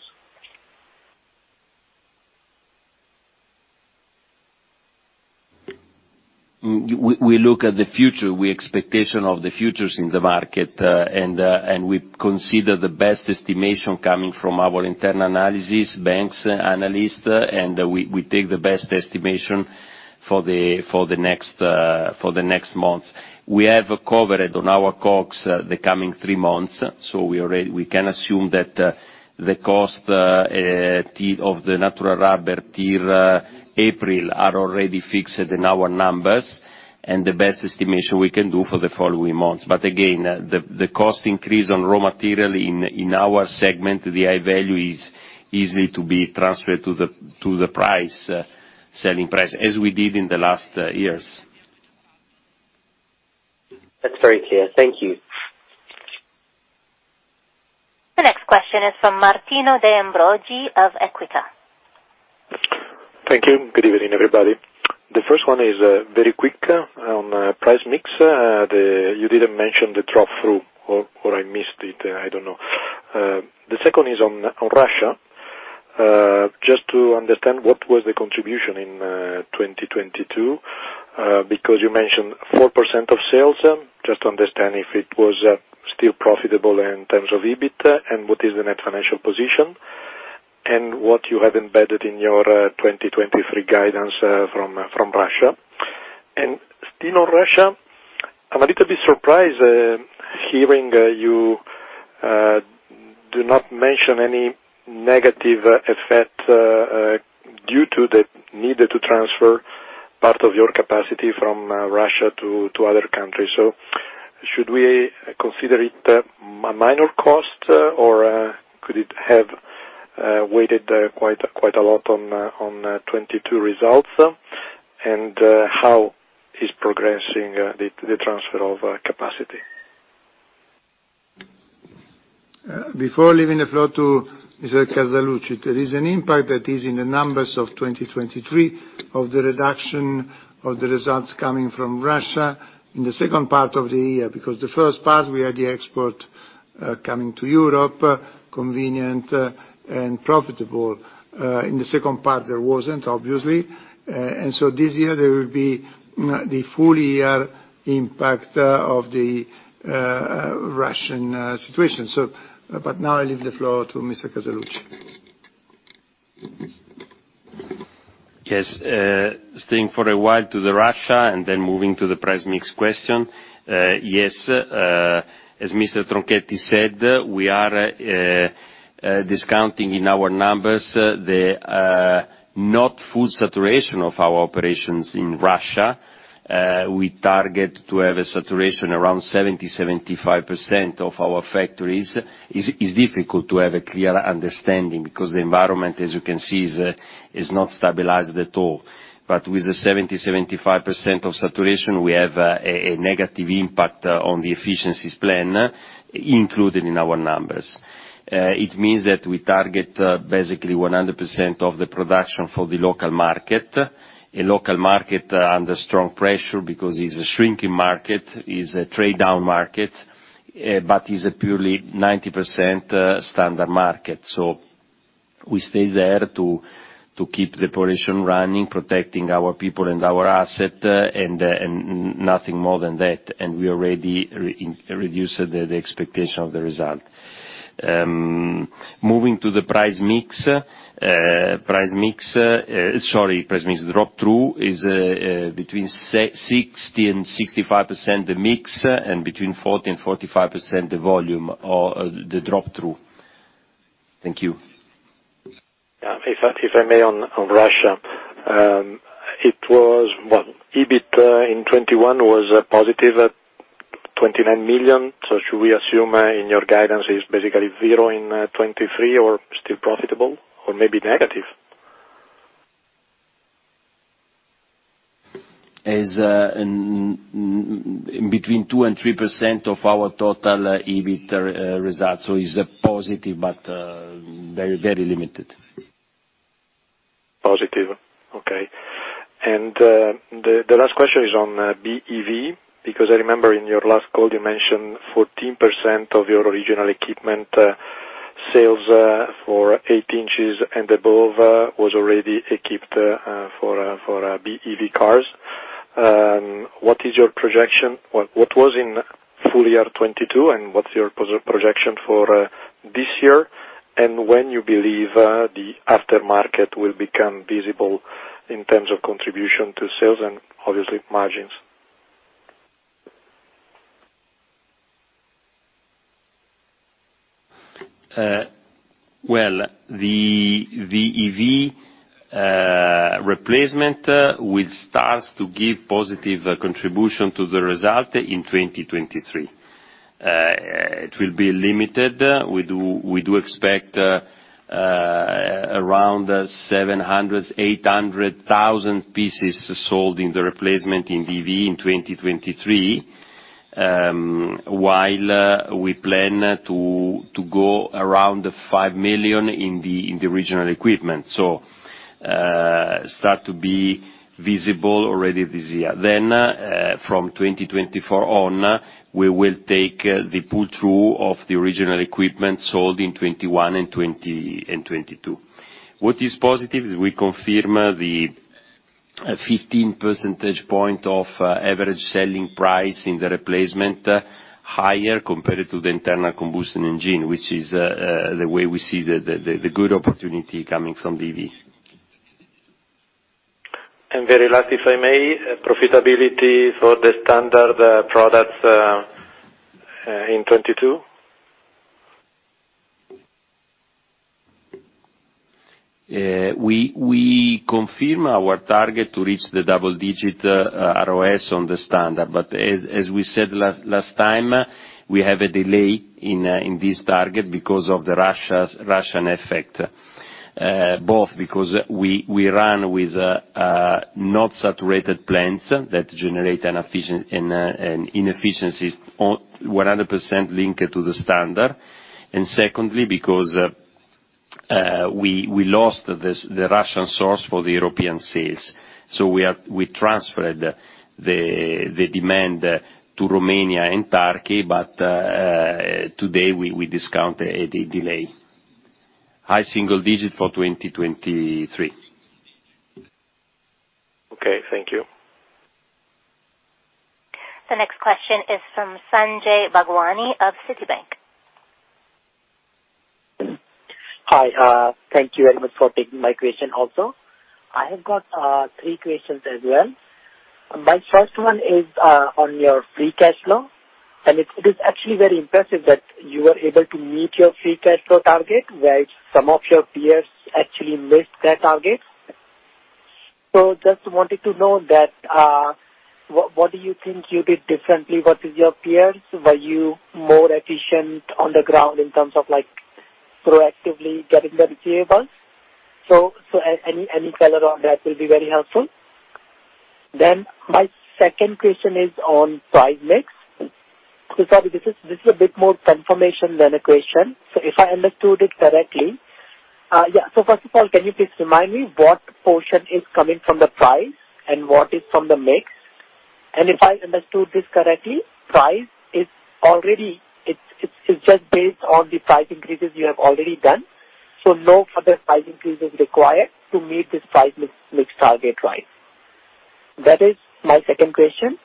We look at the future. We expectation of the futures in the market, and we consider the best estimation coming from our internal analysis, banks analyst, and we take the best estimation for the next months. We have covered on our costs, the coming three months, so we can assume that the cost of the natural rubber till April are already fixed in our numbers and the best estimation we can do for the following months. Again, the cost increase on raw material in our segment, the High Value is easily to be transferred to the price, selling price, as we did in the last years. That's very clear. Thank you. The next question is from Martino De Ambroggi of Equita. Thank you. Good evening, everybody. The first one is very quick. On price mix, you didn't mention the drop-through or I missed it, I don't know. The second is on Russia. Just to understand what was the contribution in 2022, because you mentioned 4% of sales. Just to understand if it was still profitable in terms of EBIT and what is the net financial position and what you have embedded in your 2023 guidance from Russia. Still on Russia, I'm a little bit surprised hearing you do not mention any negative effect due to the need to transfer part of your capacity from Russia to other countries. Should we consider it a minor cost or, could it have weighted quite a lot on 2022 results? How is progressing the transfer of capacity? Before leaving the floor to Mr. Casaluci, there is an impact that is in the numbers of 2023 of the reduction of the results coming from Russia in the second part of the year. The first part we had the export coming to Europe, convenient and profitable. In the second part, there wasn't, obviously. This year there will be the full year impact of the Russian situation. Now I leave the floor to Mr. Casaluci. Staying for a while to the Russia and then moving to the price mix question. As Mr. Tronchetti said, we are discounting in our numbers the not full saturation of our operations in Russia. We target to have a saturation around 70%-75% of our factories. Is difficult to have a clear understanding because the environment, as you can see, is not stabilized at all. With the 70%-75% of saturation, we have a negative impact on the efficiencies plan included in our numbers. It means that we target basically 100% of the production for the local market, a local market under strong pressure because it's a shrinking market, is a trade-down market, but is a purely 90% Standard market. We stay there to keep the operation running, protecting our people and our asset, and nothing more than that. We already reduce the expectation of the result. Moving to the price mix. Price mix, sorry. Price mix drop-through is between 60% and 65% the mix and between 40% and 45% the volume or the drop-through. Thank you. Yeah. If I, if I may on Russia. It was, well, EBIT in 2021 was positive at 29 million. Should we assume in your guidance it's basically zero in 2023 or still profitable, or maybe negative? Is, in between 2% and 3% of our total EBIT results. Is positive, but very limited. Positive. Okay. The last question is on BEV, because I remember in your last call, you mentioned 14% of your original equipment sales for 8 in and above was already equipped for a BEV cars. What is your projection? What was in full year 2022, and what's your projection for this year? When you believe the aftermarket will become visible in terms of contribution to sales and obviously margins? Well, the EV replacement will start to give positive contribution to the result in 2023. It will be limited. We expect around 700,000-800,000 pieces sold in the replacement in EV in 2023, while we plan to go around 5 million in the original equipment. Start to be visible already this year. From 2024 on, we will take the pull-through of the original equipment sold in 2021 and 2022. What is positive is we confirm the 15 percentage point of average selling price in the replacement higher compared to the internal combustion engine, which is the way we see the good opportunity coming from EV. Very last, if I may, profitability for the Standard products, in 2022. We confirm our target to reach the double-digit ROS on the Standard. As we said last time, we have a delay in this target because of the Russian effect. Both because we run with not saturated plants that generate inefficiencies 100% linked to the Standard. Secondly, because we lost the Russian source for the European sales. We transferred the demand to Romania and Turkey, but today, we discount the delay. High single-digit for 2023. Okay, thank you. The next question is from Sanjay Bhagwani of Citibank. Hi. Thank you very much for taking my question also. I have got three questions as well. My first one is on your free cash flow, and it is actually very impressive that you are able to meet your free cash flow target, whereas some of your peers actually missed their targets. Just wanted to know that, what do you think you did differently versus your peers? Were you more efficient on the ground in terms of, like, proactively getting the receivables? Any color on that will be very helpful. My second question is on price mix. Sorry, this is a bit more confirmation than a question, if I understood it correctly. Yeah. First of all, can you please remind me what portion is coming from the price and what is from the mix? If I understood this correctly, price is already just based on the price increases you have already done, so no further price increase is required to meet this price mix target, right? That is my second question.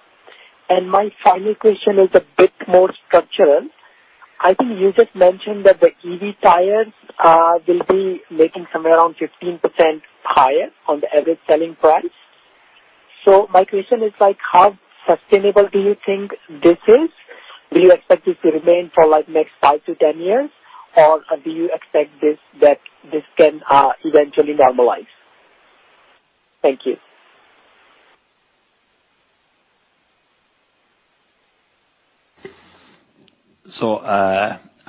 My final question is a bit more structural. I think you just mentioned that the EV tyres will be making somewhere around 15% higher on the average selling price. My question is like, how sustainable do you think this is? Do you expect this to remain for like next five to 10 years, or do you expect this can eventually normalize? Thank you.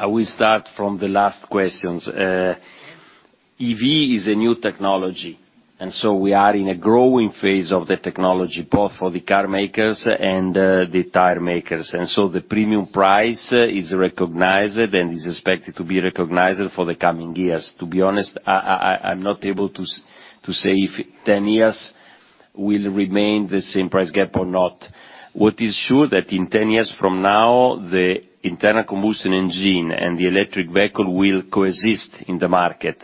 I will start from the last questions. EV is a new technology, we are in a growing phase of the technology, both for the carmakers and the tyre makers. The premium price is recognized and is expected to be recognized for the coming years. To be honest, I'm not able to say if 10 years will remain the same price gap or not. What is sure that in 10 years from now, the internal combustion engine and the electric vehicle will coexist in the market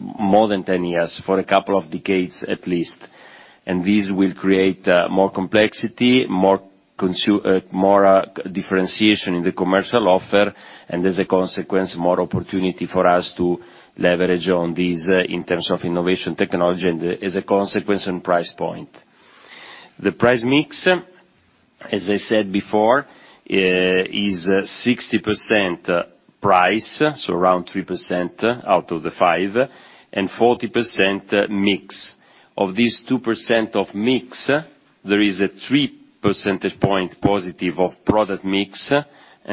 more than 10 years, for a couple of decades at least. This will create more complexity, more differentiation in the commercial offer, and as a consequence, more opportunity for us to leverage on this in terms of innovation, technology and, as a consequence, in price point. The price mix, as I said before, is 60% price, so around 3% out of the 5%, and 40% mix. Of this 2% of mix, there is a 3 percentage point positive of product mix and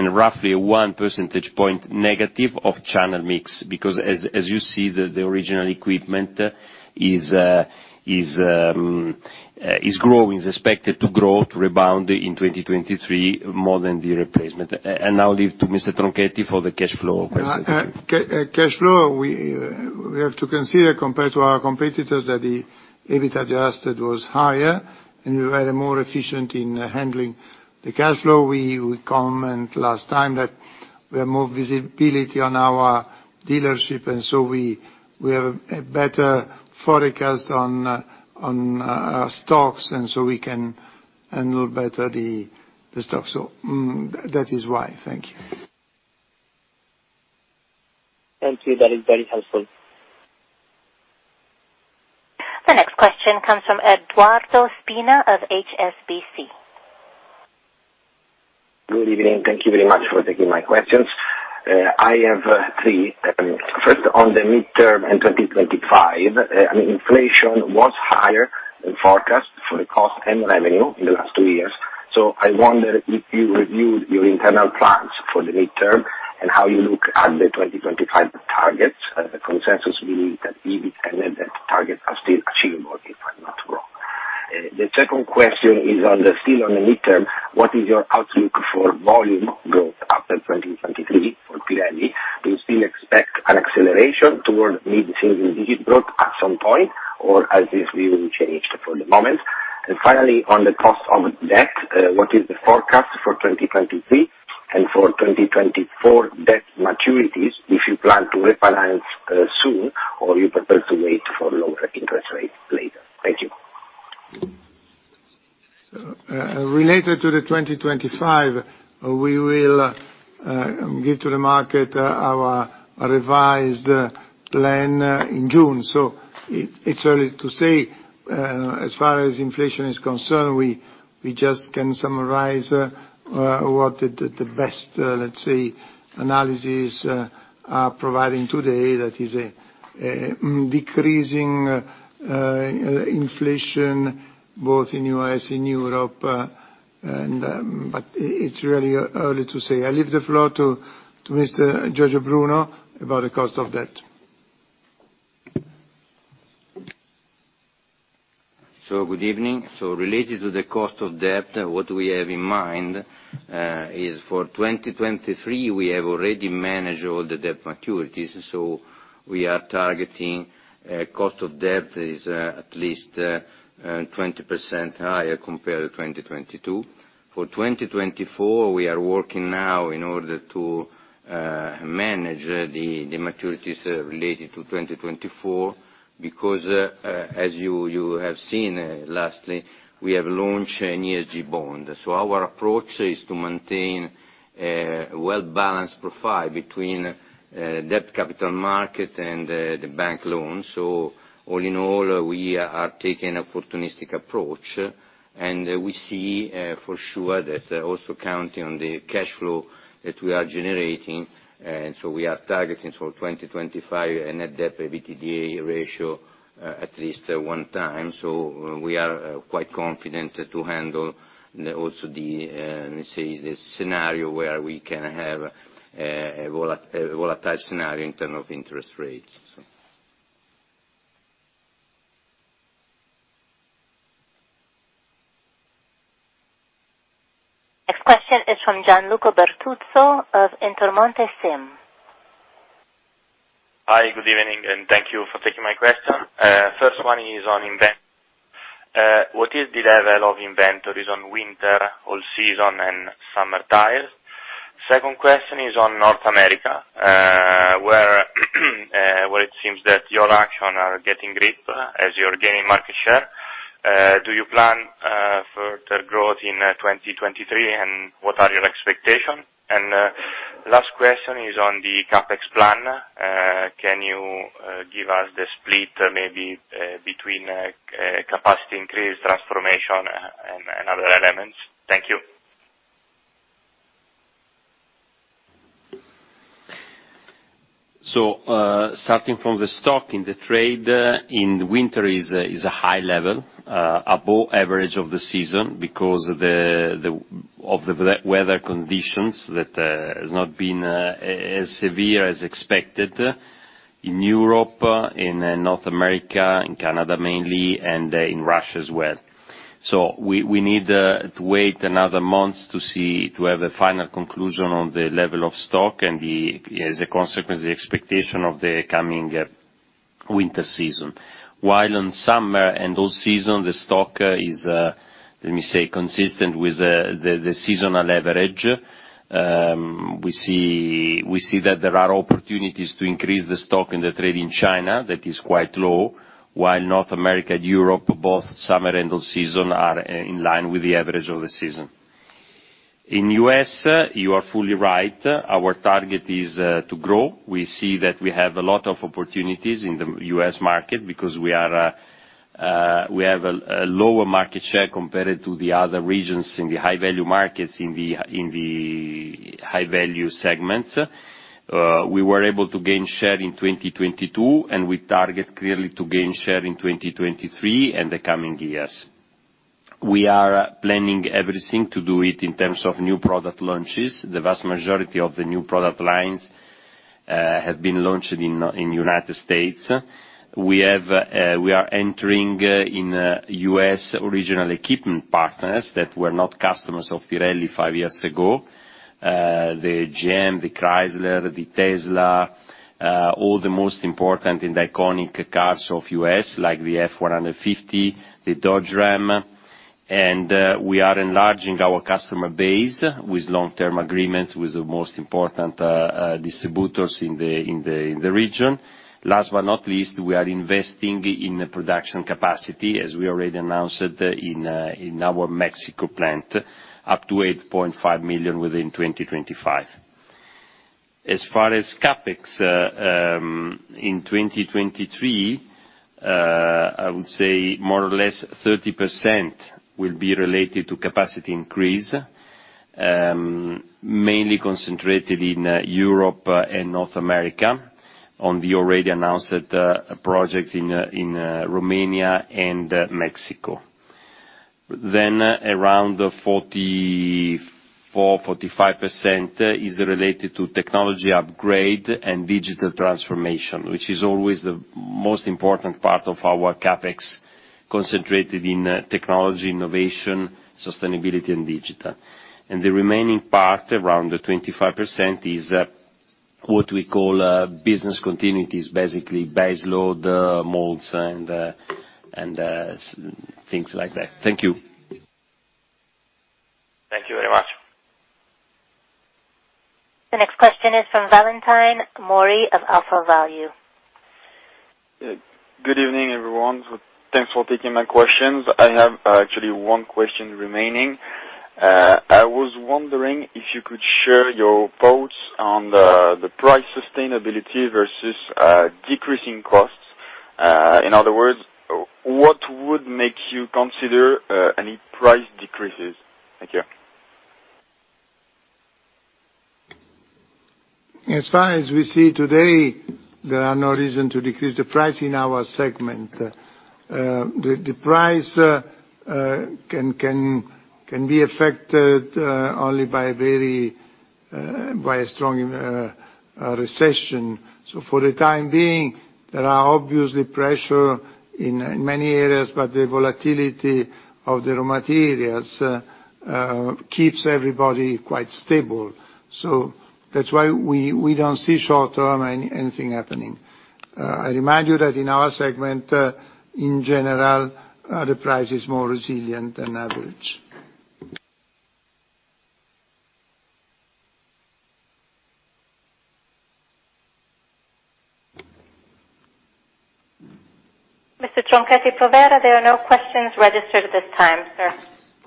roughly 1 percentage point negative of channel mix. As you see, the original equipment is growing. Is expected to grow, to rebound in 2023 more than the replacement. I'll leave to Mr. Tronchetti for the cash flow question. Cash flow, we have to consider compared to our competitors that the EBIT adjusted was higher. We were more efficient in handling the cash flow. We comment last time that we have more visibility on our dealership. We have a better forecast on stocks. We can handle better the stock. That is why. Thank you. Thank you. That is very helpful. The next question comes from Edoardo Spina of HSBC. Good evening, and thank you very much for taking my questions. I have three. First, on the midterm in 2025, I mean, inflation was higher than forecast for the cost and revenue in the last two years. I wonder if you reviewed your internal plans for the midterm and how you look at the 2025 targets. The consensus believe that EBIT and net target are still achievable, if I'm not wrong. The second question is on the, still on the midterm, what is your outlook for volume growth after 2023 for Pirelli? Do you still expect an acceleration toward mid-single digit growth at some point, or has this view changed for the moment? Finally, on the cost of debt, what is the forecast for 2023 and for 2024 debt maturities, if you plan to refinance soon, or you prefer to wait for lower interest rates later? Thank you. Related to the 2025, we will give to the market our revised plan in June. It's early to say. As far as inflation is concerned, we just can summarize what the best, let's say, analysis are providing today. That is decreasing inflation both in U.S., in Europe, and, but it's really early to say. I leave the floor to Mr. Giorgio Bruno about the cost of debt. Good evening. Related to the cost of debt, what we have in mind is for 2023, we have already managed all the debt maturities, we are targeting cost of debt is at least 20% higher compared to 2022. For 2024, we are working now in order to manage the maturities related to 2024 because as you have seen lastly, we have launched an ESG bond. Our approach is to maintain a well-balanced profile between debt capital market and the bank loans. All in all, we are taking opportunistic approach. We see for sure that also counting on the cash flow that we are generating, we are targeting for 2025 a net debt EBITDA ratio at least 1x. We are quite confident to handle the, also the, let's say, a volatile scenario in terms of interest rates, so. Next question is from Gianluca Bertuzzo of Intermonte SIM. Hi. Good evening, and thank you for taking my question. First one is on what is the level of inventories on Winter All Season and Summer tyres? Second question is on North America, where it seems that your action are getting grip as you're gaining market share. Do you plan further growth in 2023, and what are your expectations? Last question is on the CapEx plan. Can you give us the split maybe between capacity increase, transformation, and other elements? Thank you. Starting from the stock in the trade in Winter is a high level above average of the season because of the weather conditions that has not been as severe as expected in Europe, in North America, in Canada mainly, and in Russia as well. We need to wait another month to see, to have a final conclusion on the level of stock and as a consequence, the expectation of the coming Winter season. While on Summer and all season, the stock is, let me say, consistent with the seasonal average. We see that there are opportunities to increase the stock and the trade in China that is quite low, while North America and Europe, both Summer and all season, are in line with the average of the season. In U.S., you are fully right, our target is to grow. We see that we have a lot of opportunities in the U.S. market because we have a lower market share compared to the other regions in the High Value markets, in the High Value segments. We were able to gain share in 2022, and we target clearly to gain share in 2023 and the coming years. We are planning everything to do it in terms of new product launches. The vast majority of the new product lines have been launched in United States. We have, we are entering in U.S. original equipment partners that were not customers of Pirelli five years ago. The GM, the CHRYSLER, the Tesla, all the most important and iconic cars of U.S., like the F-150, the Dodge Ram. We are enlarging our customer base with long-term agreements with the most important distributors in the region. Last but not least, we are investing in the production capacity, as we already announced it, in our Mexico plant, up to 8.5 million within 2025. As far as CapEx, in 2023, I would say more or less 30% will be related to capacity increase, mainly concentrated in Europe and North America on the already announced projects in Romania and Mexico. Around 44%-45% is related to technology upgrade and digital transformation, which is always the most important part of our CapEx, concentrated in technology, innovation, sustainability and digital. The remaining part, around 25%, is what we call business continuity, is basically base load, molds and things like that. Thank you. Thank you very much. The next question is from Valentin Mory of AlphaValue. Yeah. Good evening, everyone. Thanks for taking my questions. I have, actually one question remaining. I was wondering if you could share your thoughts on the price sustainability versus decreasing costs. In other words, what would make you consider any price decreases? Thank you. As far as we see today, there are no reason to decrease the price in our segment. The price can be affected only by very by a strong recession. For the time being, there are obviously pressure in many areas, but the volatility of the raw materials keeps everybody quite stable. That's why we don't see short-term any, anything happening. I remind you that in our segment, in general, the price is more resilient than average. Mr. Tronchetti Provera, there are no questions registered at this time, sir.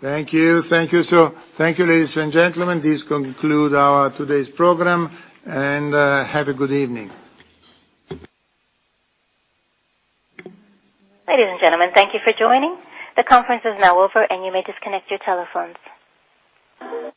Thank you. Thank you, so thank you, ladies and gentlemen. This conclude our today's program. Have a good evening. Ladies and gentlemen, thank you for joining. The conference is now over, and you may disconnect your telephones.